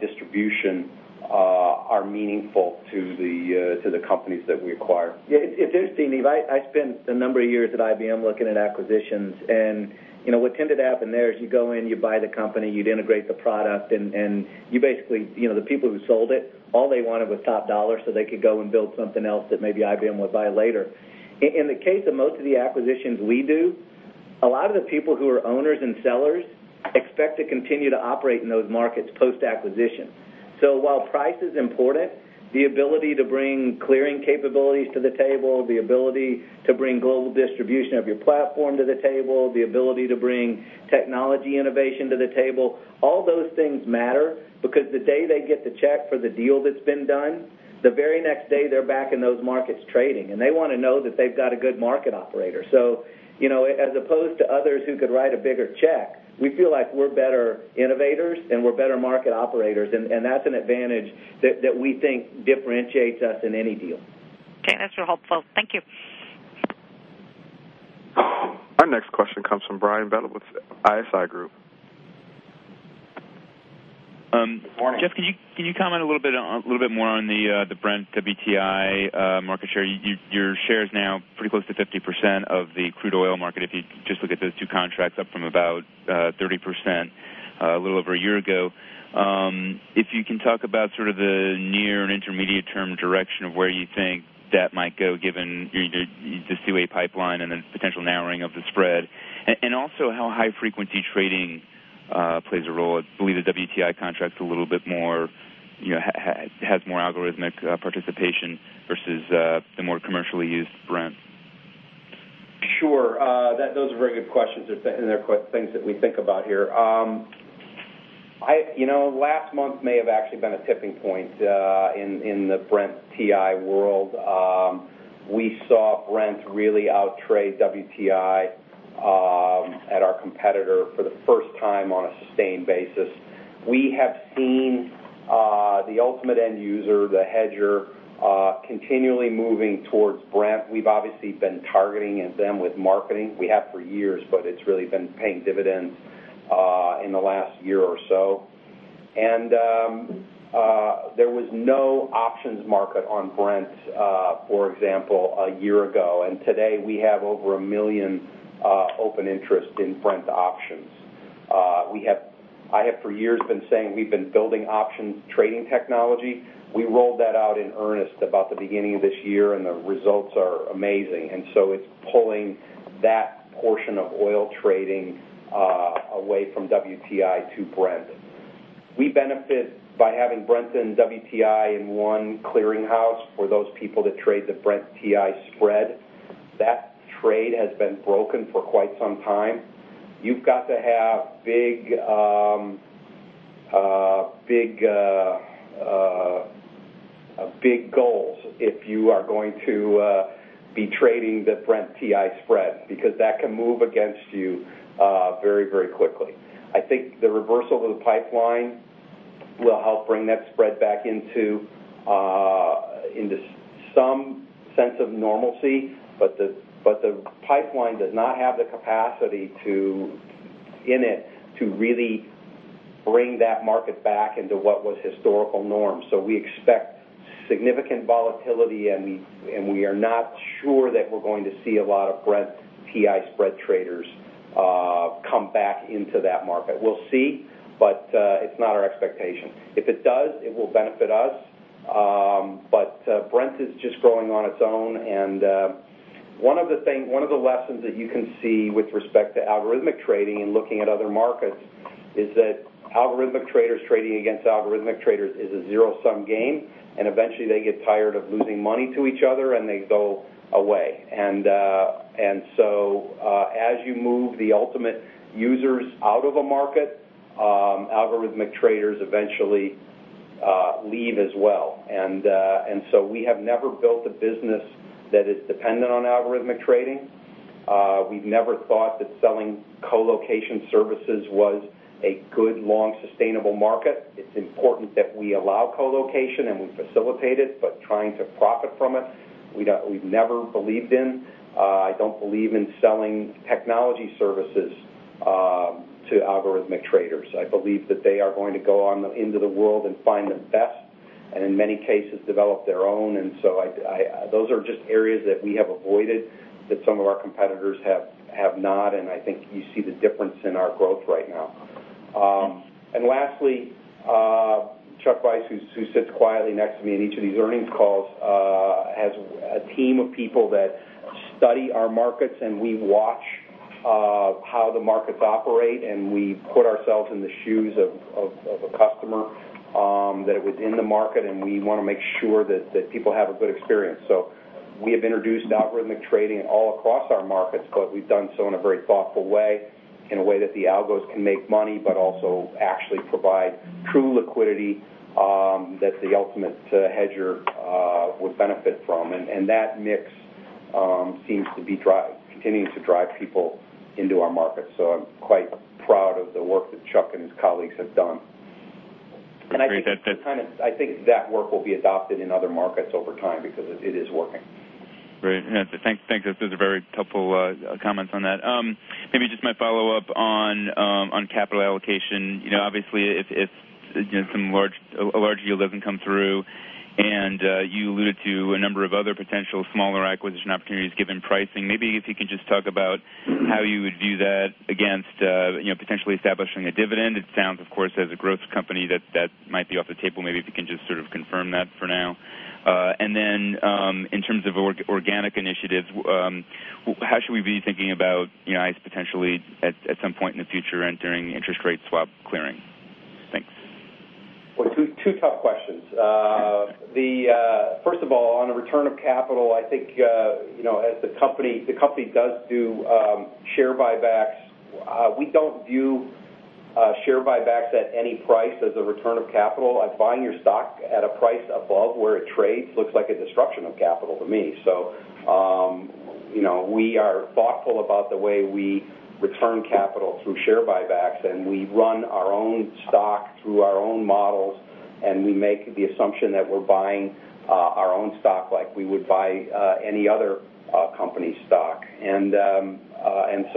S4: distribution, are meaningful to the companies that we acquire.
S3: Yeah, it's interesting, Niamh. I spent a number of years at IBM looking at acquisitions, what tended to happen there is you go in, you buy the company, you'd integrate the product, you basically, the people who sold it, all they wanted was top dollar so they could go and build something else that maybe IBM would buy later. In the case of most of the acquisitions we do, a lot of the people who are owners and sellers expect to continue to operate in those markets post-acquisition. While price is important, the ability to bring clearing capabilities to the table, the ability to bring global distribution of your platform to the table, the ability to bring technology innovation to the table, all those things matter because the day they get the check for the deal that's been done, the very next day, they're back in those markets trading, and they want to know that they've got a good market operator. As opposed to others who could write a bigger check, we feel like we're better innovators and we're better market operators, and that's an advantage that we think differentiates us in any deal.
S10: Okay, that's real helpful. Thank you.
S1: Our next question comes from Brian Bedell with ISI Group.
S11: Good morning. Jeff, can you comment a little bit more on the Brent WTI market share? Your share is now pretty close to 50% of the crude oil market, if you just look at those two contracts up from about 30% a little over a year ago. How high-frequency trading plays a role. If you can talk about sort of the near- and intermediate-term direction of where you think that might go given the Seaway Pipeline and the potential narrowing of the spread. I believe the WTI contract has more algorithmic participation versus the more commercially used Brent.
S4: Sure. Those are very good questions, and they're things that we think about here. Last month may have actually been a tipping point in the Brent WTI world. We saw Brent really out-trade WTI at our competitor for the first time on a sustained basis. We have seen the ultimate end user, the hedger, continually moving towards Brent. We've obviously been targeting them with marketing. We have for years, but it's really been paying dividends in the last year or so. There was no options market on Brent, for example, a year ago, and today we have over 1 million open interest in Brent options. I have, for years, been saying we've been building options trading technology. We rolled that out in earnest about the beginning of this year, and the results are amazing. It's pulling that portion of oil trading away from WTI to Brent. We benefit by having Brent and WTI in one clearing house for those people that trade the Brent WTI spread. That trade has been broken for quite some time. You've got to have big goals if you are going to be trading the Brent WTI spread, because that can move against you very quickly. I think the reversal of the pipeline will help bring that spread back into some sense of normalcy, but the pipeline does not have the capacity in it to really bring that market back into what was historical norms. We expect significant volatility, and we are not sure that we're going to see a lot of Brent WTI spread traders come back into that market. We'll see, but it's not our expectation. If it does, it will benefit us. Brent is just growing on its own, and one of the lessons that you can see with respect to algorithmic trading and looking at other markets is that algorithmic traders trading against algorithmic traders is a zero-sum game, and eventually they get tired of losing money to each other, and they go away. As you move the ultimate users out of a market, algorithmic traders eventually leave as well. We have never built a business that is dependent on algorithmic trading. We've never thought that selling co-location services was a good, long, sustainable market. It's important that we allow co-location, and we facilitate it, but trying to profit from it, we've never believed in. I don't believe in selling technology services to algorithmic traders. I believe that they are going to go on into the world and find the best, and in many cases, develop their own. Those are just areas that we have avoided that some of our competitors have not, and I think you see the difference in our growth right now. Lastly, Chuck who sits quietly next to me in each of these earnings calls has a team of people that study our markets, and we watch how the markets operate, and we put ourselves in the shoes of a customer that is within the market, and we want to make sure that people have a good experience. We have introduced algorithmic trading all across our markets, but we've done so in a very thoughtful way, in a way that the algos can make money, but also actually provide true liquidity that the ultimate hedger would benefit from. That mix seems to be continuing to drive people into our markets. I'm quite proud of the work that Chuck and his colleagues have done.
S11: Great.
S4: I think that work will be adopted in other markets over time because it is working.
S11: Great. Thanks. Those are very helpful comments on that. Maybe just my follow-up on capital allocation. Obviously, if a large yield doesn't come through and you alluded to a number of other potential smaller acquisition opportunities given pricing, maybe if you could just talk about how you would view that against potentially establishing a dividend. It sounds, of course, as a growth company, that that might be off the table. Maybe if you can just sort of confirm that for now. In terms of organic initiatives, how should we be thinking about ICE potentially at some point in the future entering interest rate swap clearing? Thanks.
S4: Well, two tough questions. First of all, on the return of capital, I think, as the company does do share buybacks, we don't view share buybacks at any price as a return of capital. Buying your stock at a price above where it trades looks like a disruption of capital to me. We are thoughtful about the way we return capital through share buybacks, we run our own stock through our own models, and we make the assumption that we're buying our own stock like we would buy any other company's stock.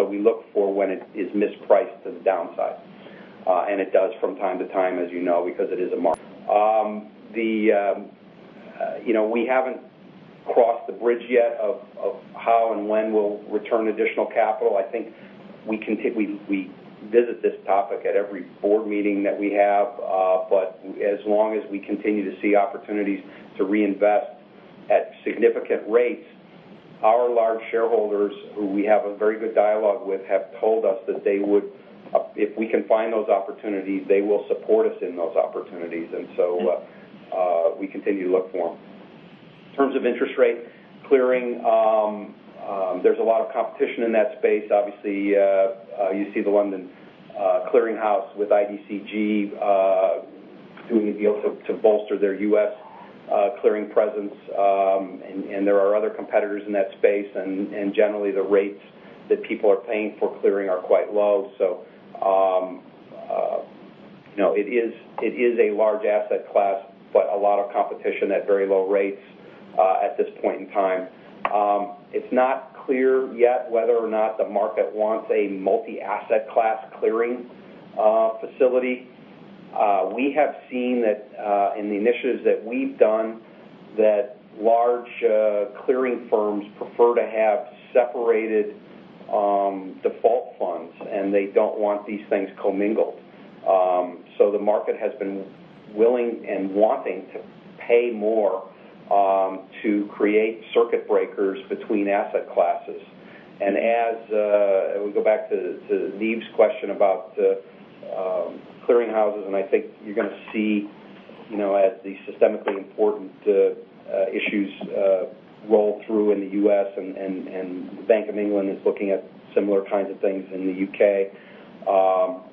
S4: We look for when it is mispriced to the downside. It does from time to time, as you know, because it is a market. We haven't crossed the bridge yet of how and when we'll return additional capital. I think we visit this topic at every board meeting that we have. As long as we continue to see opportunities to reinvest at significant rates, our large shareholders, who we have a very good dialogue with, have told us that if we can find those opportunities, they will support us in those opportunities. We continue to look for them. In terms of interest rate clearing, there's a lot of competition in that space. Obviously, you see the London Clearing House with IDCG doing a deal to bolster their U.S. clearing presence, there are other competitors in that space, generally, the rates that people are paying for clearing are quite low. It is a large asset class, but a lot of competition at very low rates, at this point in time. It's not clear yet whether or not the market wants a multi-asset class clearing facility. We have seen that in the initiatives that we've done, that large clearing firms prefer to have separated default funds, and they don't want these things commingled. The market has been willing and wanting to pay more to create circuit breakers between asset classes. As we go back to the Niamh's question about clearing houses, I think you're going to see as the systemically important issues roll through in the U.S. and the Bank of England is looking at similar kinds of things in the U.K.,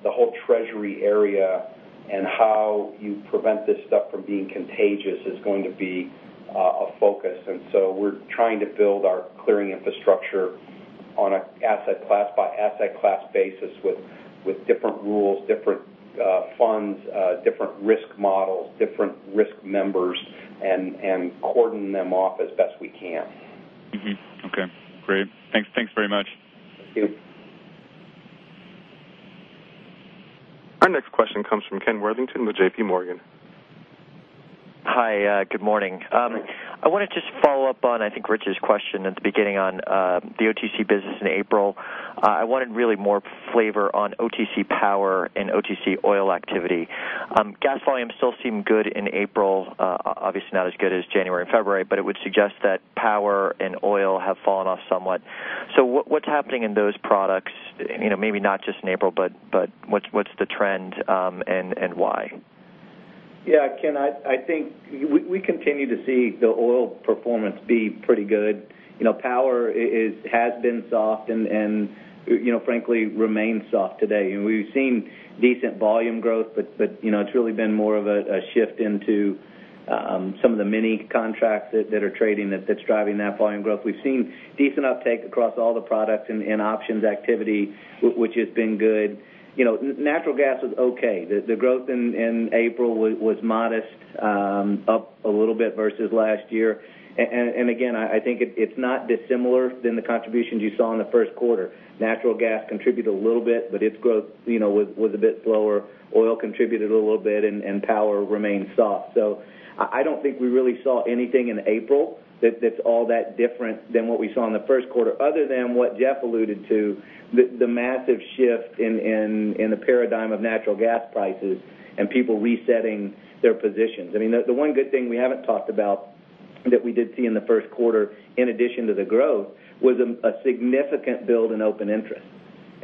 S4: the whole treasury area and how you prevent this stuff from being contagious is going to be a focus. We're trying to build our clearing infrastructure on an asset class by asset class basis with different rules, different funds, different risk models, different risk members, and cordon them off as best we can.
S11: Okay, great. Thanks very much.
S4: Thank you.
S1: Our next question comes from Ken Worthington with JPMorgan.
S12: Hi, good morning. I want to just follow up on, I think Rich's question at the beginning on the OTC business in April. I wanted really more flavor on OTC power and OTC oil activity. Gas volumes still seem good in April, obviously not as good as January and February, but it would suggest that power and oil have fallen off somewhat. What's happening in those products, maybe not just in April, but what's the trend, and why?
S3: Yeah, Ken, I think we continue to see the oil performance be pretty good. Power has been soft and frankly remains soft today. We've seen decent volume growth, but it's really been more of a shift into some of the mini contracts that are trading that's driving that volume growth. We've seen decent uptake across all the products and options activity, which has been good. Natural gas was okay. The growth in April was modest, up a little bit versus last year. Again, I think it's not dissimilar than the contributions you saw in the first quarter. Natural gas contributed a little bit, but its growth was a bit slower. Oil contributed a little bit, and power remains soft. I don't think we really saw anything in April that's all that different than what we saw in the first quarter, other than what Jeff alluded to, the massive shift in the paradigm of natural gas prices and people resetting their positions. I mean, the one good thing we haven't talked about That we did see in the first quarter, in addition to the growth, was a significant build in open interest.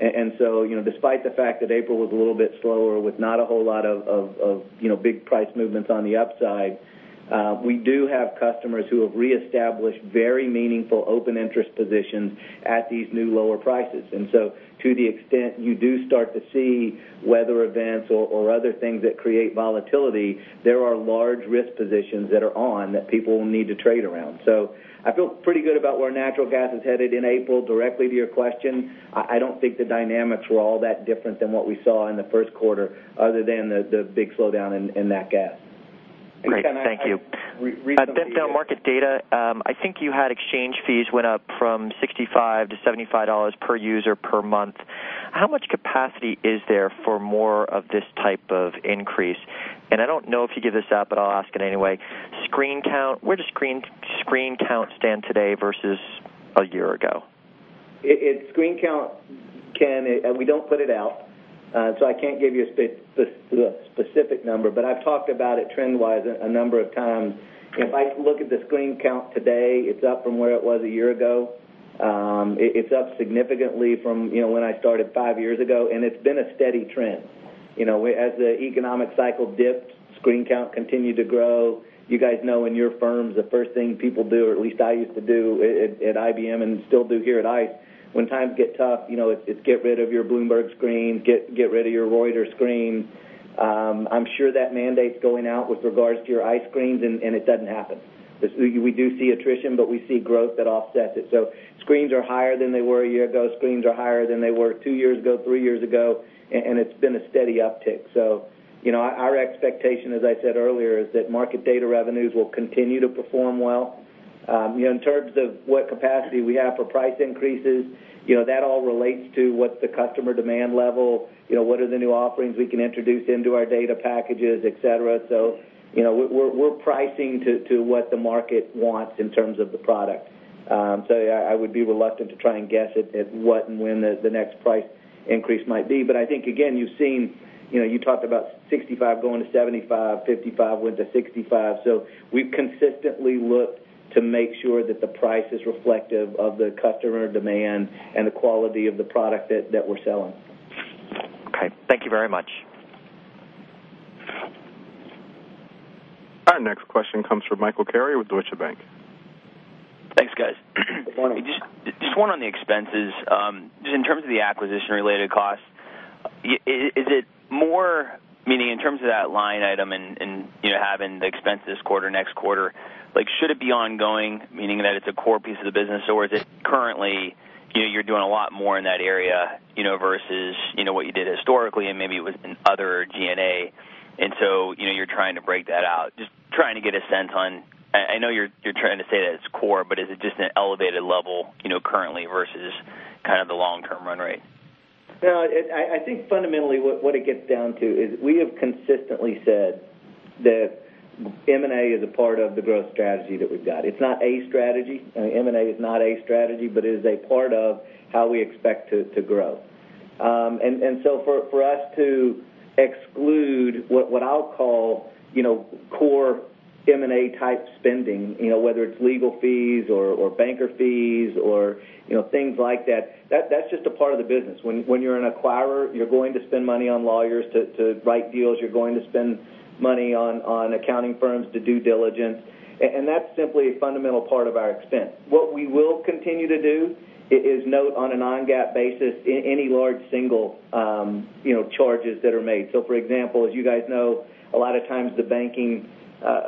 S3: Despite the fact that April was a little bit slower with not a whole lot of big price movements on the upside, we do have customers who have reestablished very meaningful open interest positions at these new lower prices. To the extent you do start to see weather events or other things that create volatility, there are large risk positions that are on that people will need to trade around. I feel pretty good about where natural gas is headed in April. Directly to your question, I don't think the dynamics were all that different than what we saw in the first quarter, other than the big slowdown in that gas.
S12: Great. Thank you. Recently, yes. Bentham Market Data, I think you had exchange fees went up from $65 to $75 per user per month. How much capacity is there for more of this type of increase? I don't know if you give this out, but I'll ask it anyway. Screen count, where does screen count stand today versus a year ago?
S3: Screen count, Ken, we don't put it out, I can't give you a specific number, but I've talked about it trend-wise a number of times. If I look at the screen count today, it's up from where it was a year ago. It's up significantly from when I started five years ago, it's been a steady trend. As the economic cycle dipped, screen count continued to grow. You guys know in your firms, the first thing people do, or at least I used to do at IBM and still do here at ICE, when times get tough, it's get rid of your Bloomberg screen, get rid of your Reuters screen. I'm sure that mandate's going out with regards to your ICE screens, it doesn't happen. We do see attrition, we see growth that offsets it. Screens are higher than they were a year ago. Screens are higher than they were two years ago, three years ago, it's been a steady uptick. Our expectation, as I said earlier, is that market data revenues will continue to perform well. In terms of what capacity we have for price increases, that all relates to what the customer demand level, what are the new offerings we can introduce into our data packages, et cetera. We're pricing to what the market wants in terms of the product. Yeah, I would be reluctant to try and guess at what and when the next price increase might be. I think, again, you talked about $65 going to $75, $55 went to $65. We've consistently looked to make sure that the price is reflective of the customer demand and the quality of the product that we're selling.
S12: Okay. Thank you very much.
S1: Our next question comes from Michael Carrier with Deutsche Bank.
S13: Thanks, guys.
S3: Good morning.
S13: Just one on the expenses. Just in terms of the acquisition-related costs, is it more, meaning in terms of that line item and having the expense this quarter, next quarter, should it be ongoing, meaning that it's a core piece of the business, or is it currently, you're doing a lot more in that area, versus what you did historically, and maybe it was in other G&A? You're trying to break that out? Just trying to get a sense on, I know you're trying to say that it's core, is it just an elevated level currently versus kind of the long-term run rate?
S3: No, I think fundamentally what it gets down to is we have consistently said that M&A is a part of the growth strategy that we've got. It's not a strategy. M&A is not a strategy, it is a part of how we expect to grow. For us to exclude what I'll call core M&A-type spending, whether it's legal fees or banker fees or things like that's just a part of the business. When you're an acquirer, you're going to spend money on lawyers to write deals, you're going to spend money on accounting firms to due diligence, and that's simply a fundamental part of our expense. What we will continue to do is note on a non-GAAP basis, any large single charges that are made. For example, as you guys know, a lot of times the banking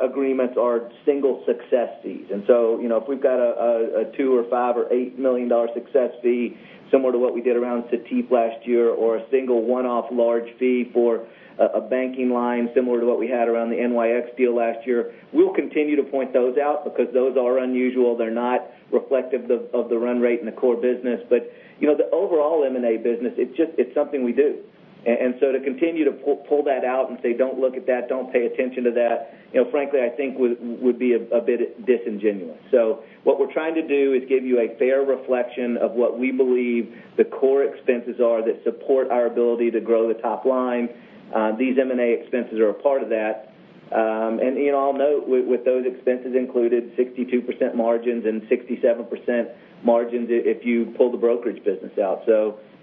S3: agreements are single success fees. If we've got a $2 million or $5 million or $8 million success fee similar to what we did around Cetip last year, or a single one-off large fee for a banking line similar to what we had around the NYX deal last year, we'll continue to point those out because those are unusual. They're not reflective of the run rate in the core business. The overall M&A business, it's something we do. To continue to pull that out and say, "Don't look at that, don't pay attention to that," frankly, I think would be a bit disingenuous. What we're trying to do is give you a fair reflection of what we believe the core expenses are that support our ability to grow the top line. These M&A expenses are a part of that. I'll note with those expenses included, 62% margins and 67% margins if you pull the brokerage business out.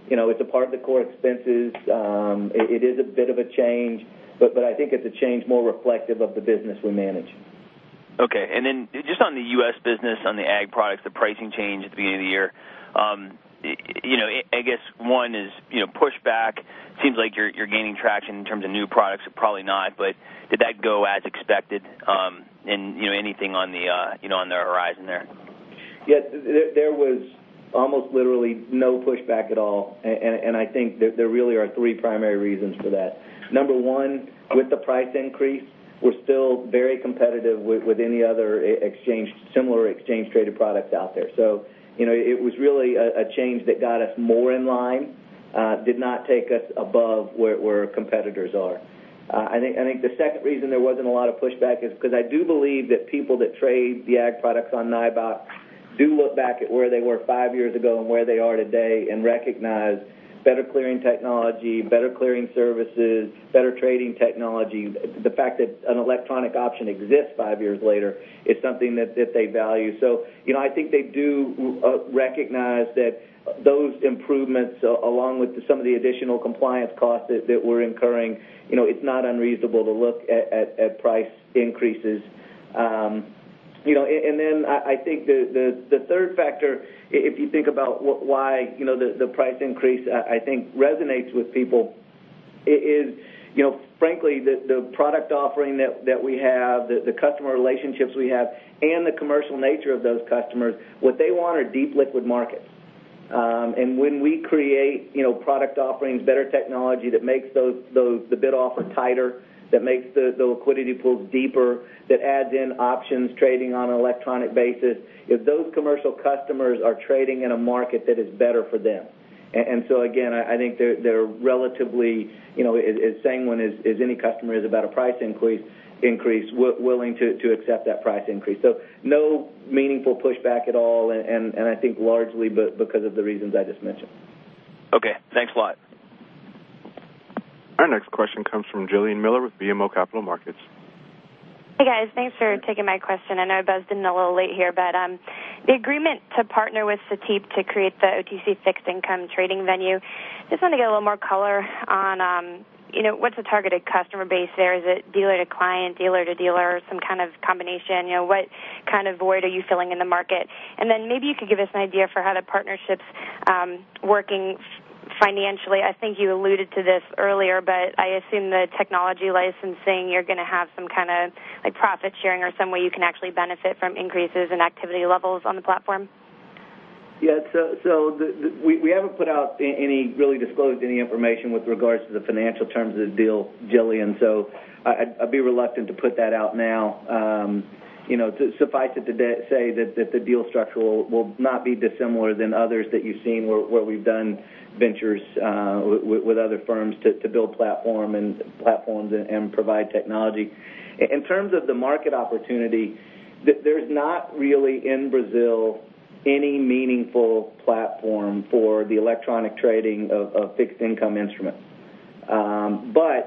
S3: It's a part of the core expenses. It is a bit of a change, I think it's a change more reflective of the business we manage.
S13: Okay. Just on the U.S. business, on the ag products, the pricing change at the beginning of the year. I guess one is, pushback. It seems like you're gaining traction in terms of new products, but probably not. Did that go as expected? Anything on the horizon there?
S3: Yes. There was almost literally no pushback at all. I think there really are three primary reasons for that. Number one, with the price increase, we're still very competitive with any other similar exchange-traded products out there. It was really a change that got us more in line, did not take us above where competitors are. I think the second reason there wasn't a lot of pushback is because I do believe that people that trade the ag products on NYBOT do look back at where they were five years ago and where they are today, and recognize better clearing technology, better clearing services, better trading technology. The fact that an electronic option exists five years later is something that they value. I think they do recognize that those improvements, along with some of the additional compliance costs that we're incurring, it's not unreasonable to look at price increases. I think the third factor, if you think about why the price increase, I think resonates with people is, frankly, the product offering that we have, the customer relationships we have, and the commercial nature of those customers. What they want are deep liquid markets. When we create product offerings, better technology that makes the bid offer tighter, that makes the liquidity pools deeper, that adds in options trading on an electronic basis, if those commercial customers are trading in a market that is better for them. Again, I think they're relatively, as sanguine as any customer is about a price increase, willing to accept that price increase. No meaningful pushback at all. I think largely because of the reasons I just mentioned.
S13: Okay, thanks a lot.
S1: Our next question comes from Jillian Miller with BMO Capital Markets.
S14: Hey, guys. Thanks for taking my question. I know I buzzed in a little late here. The agreement to partner with Cetip to create the OTC fixed-income trading venue, just want to get a little more color on what's the targeted customer base there? Is it dealer to client, dealer to dealer, some kind of combination? What kind of void are you filling in the market? Then maybe you could give us an idea for how the partnership's working financially. I think you alluded to this earlier. I assume the technology licensing, you're going to have some kind of profit sharing or some way you can actually benefit from increases in activity levels on the platform.
S3: Yeah. We haven't put out any, really disclosed any information with regards to the financial terms of the deal, Gillian. I'd be reluctant to put that out now. Suffice it to say that the deal structure will not be dissimilar than others that you've seen where we've done ventures with other firms to build platforms and provide technology. In terms of the market opportunity, there's not really, in Brazil, any meaningful platform for the electronic trading of fixed-income instruments.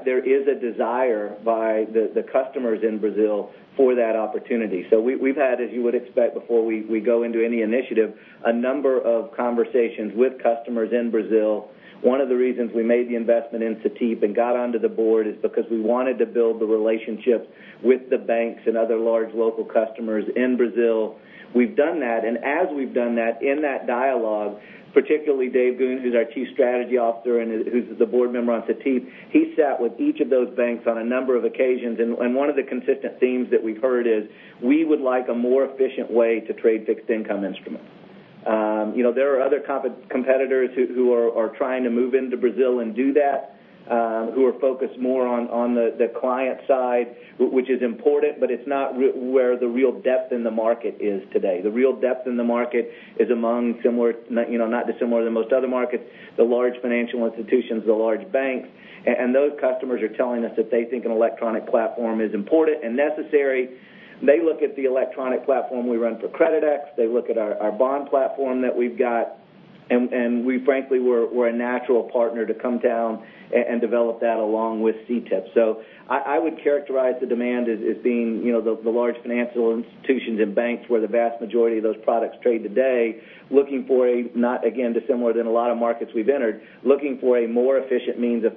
S3: There is a desire by the customers in Brazil for that opportunity. We've had, as you would expect before we go into any initiative, a number of conversations with customers in Brazil. One of the reasons we made the investment in Cetip and got onto the board is because we wanted to build the relationship with the banks and other large local customers in Brazil. We've done that, as we've done that, in that dialogue, particularly David Goone, who's our Chief Strategy Officer and who's the board member on Cetip, he sat with each of those banks on a number of occasions. One of the consistent themes that we've heard is, "We would like a more efficient way to trade fixed income instruments." There are other competitors who are trying to move into Brazil and do that, who are focused more on the client side, which is important, but it's not where the real depth in the market is today. The real depth in the market is among not dissimilar than most other markets, the large financial institutions, the large banks, and those customers are telling us that they think an electronic platform is important and necessary. They look at the electronic platform we run for Creditex, they look at our bond platform that we've got, frankly, we're a natural partner to come down and develop that along with Cetip. I would characterize the demand as being the large financial institutions and banks where the vast majority of those products trade today, looking for a, not again, dissimilar than a lot of markets we've entered, looking for a more efficient means of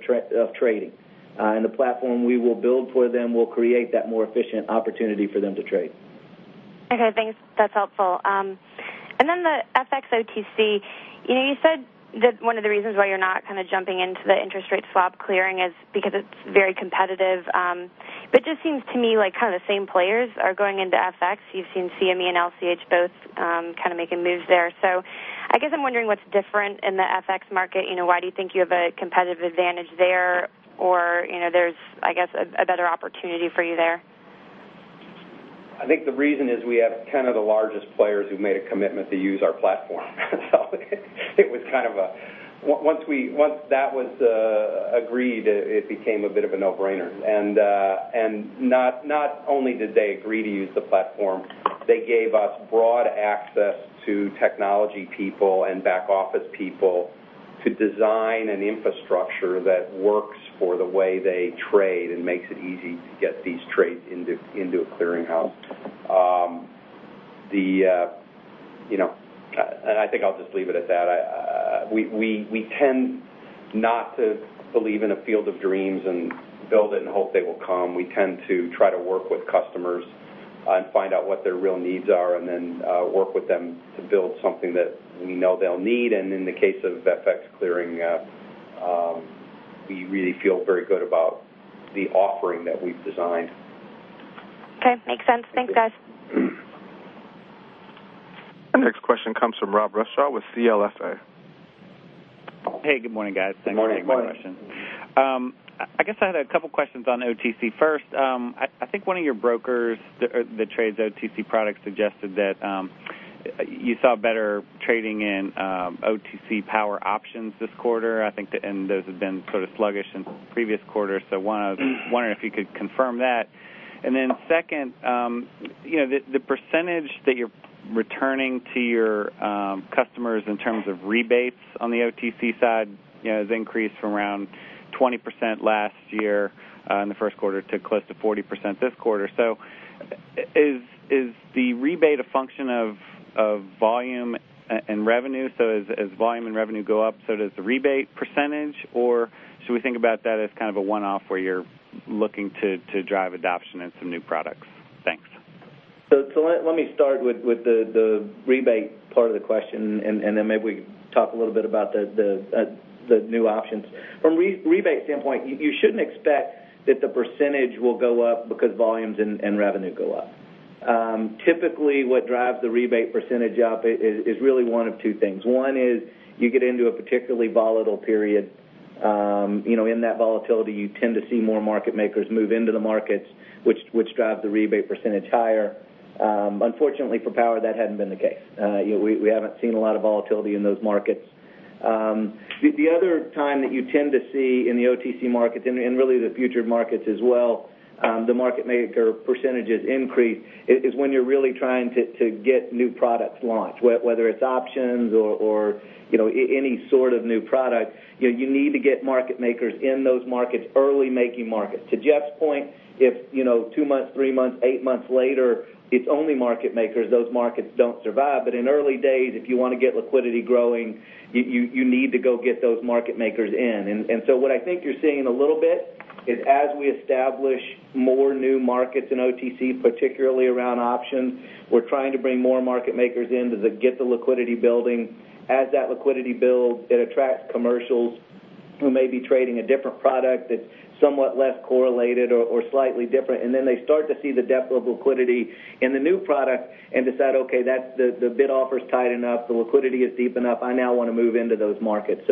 S3: trading. The platform we will build for them will create that more efficient opportunity for them to trade.
S14: Okay, thanks. That's helpful. Then the FX OTC, you said that one of the reasons why you're not kind of jumping into the interest rate swap clearing is because it's very competitive. It just seems to me like kind of the same players are going into FX. You've seen CME and LCH both kind of making moves there. I guess I'm wondering what's different in the FX market. Why do you think you have a competitive advantage there? Or there's, I guess, a better opportunity for you there?
S3: I think the reason is we have 10 of the largest players who made a commitment to use our platform. Once that was agreed, it became a bit of a no-brainer. Not only did they agree to use the platform, they gave us broad access to technology people and back office people to design an infrastructure that works for the way they trade and makes it easy to get these trades into a clearinghouse. I think I'll just leave it at that. We tend not to believe in a field of dreams and build it and hope they will come. We tend to try to work with customers and find out what their real needs are and then work with them to build something that we know they'll need. In the case of FX clearing, we really feel very good about the offering that we've designed.
S14: Okay. Makes sense. Thanks, guys.
S1: Our next question comes from Rob Rutschow with CLSA.
S15: Hey, good morning, guys.
S3: Good morning.
S15: Thanks for taking my question. I had two questions on OTC. First, I think one of your brokers that trades OTC products suggested that you saw better trading in OTC power options this quarter. I think those have been sort of sluggish in previous quarters. Wondering if you could confirm that. Second, the percentage that you're returning to your customers in terms of rebates on the OTC side, has increased from around 20% last year in the first quarter to close to 40% this quarter. Is the rebate a function of volume and revenue? As volume and revenue go up, so does the rebate percentage? Or should we think about that as kind of a one-off where you're looking to drive adoption and some new products? Thanks.
S3: Let me start with the rebate part of the question, and then maybe we can talk a little bit about the new options. From a rebate standpoint, you shouldn't expect that the percentage will go up because volumes and revenue go up. Typically, what drives the rebate percentage up is really one of two things. One is you get into a particularly volatile period. In that volatility, you tend to see more market makers move into the markets, which drive the rebate percentage higher. Unfortunately, for power, that hadn't been the case. We haven't seen a lot of volatility in those markets. The other time that you tend to see in the OTC markets, and really the future markets as well, the market maker percentages increase is when you're really trying to get new products launched, whether it's options or any sort of new product, you need to get market makers in those markets early making markets. To Jeff's point, if two months, three months, eight months later, it's only market makers, those markets don't survive. In the early days, if you want to get liquidity growing, you need to go get those market makers in. What I think you're seeing a little bit is as we establish more new markets in OTC, particularly around options, we're trying to bring more market makers in to get the liquidity building. As that liquidity builds, it attracts commercials who may be trading a different product that's somewhat less correlated or slightly different, they start to see the depth of liquidity in the new product and decide, "Okay, the bid offer's tight enough, the liquidity is deep enough. I now want to move into those markets."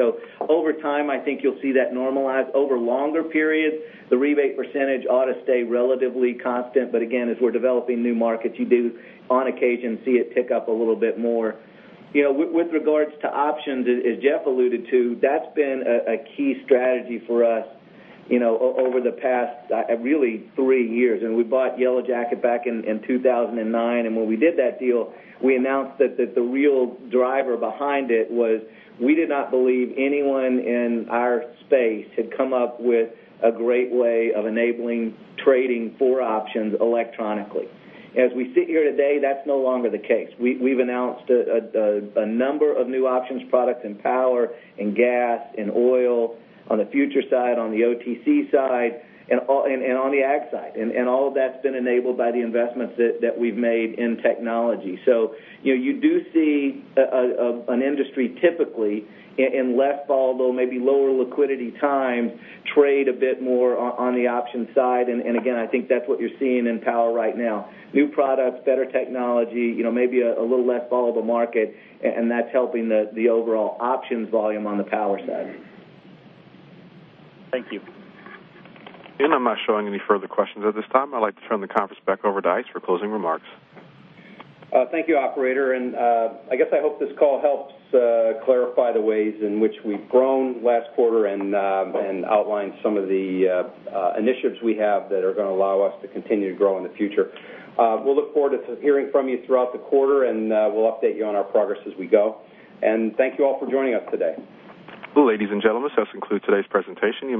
S3: Over time, I think you'll see that normalize. Over longer periods, the rebate percentage ought to stay relatively constant. Again, as we're developing new markets, you do on occasion see it tick up a little bit more. With regards to options, as Jeff alluded to, that's been a key strategy for us over the past, really, three years. We bought YellowJacket back in 2009, and when we did that deal, we announced that the real driver behind it was we did not believe anyone in our space had come up with a great way of enabling trading for options electronically. As we sit here today, that's no longer the case. We've announced a number of new options products in power, in gas, in oil, on the futures side, on the OTC side, and on the ag side. All of that's been enabled by the investments that we've made in technology. You do see an industry typically in less volatile, maybe lower liquidity times, trade a bit more on the options side. Again, I think that's what you're seeing in power right now. New products, better technology, maybe a little less volatile market, and that's helping the overall options volume on the power side.
S15: Thank you.
S1: I'm not showing any further questions at this time. I'd like to turn the conference back over to ICE for closing remarks.
S3: Thank you, operator. I guess I hope this call helps clarify the ways in which we've grown last quarter and outline some of the initiatives we have that are going to allow us to continue to grow in the future. We'll look forward to hearing from you throughout the quarter, and we'll update you on our progress as we go. Thank you all for joining us today.
S1: Ladies and gentlemen, this concludes today's presentation.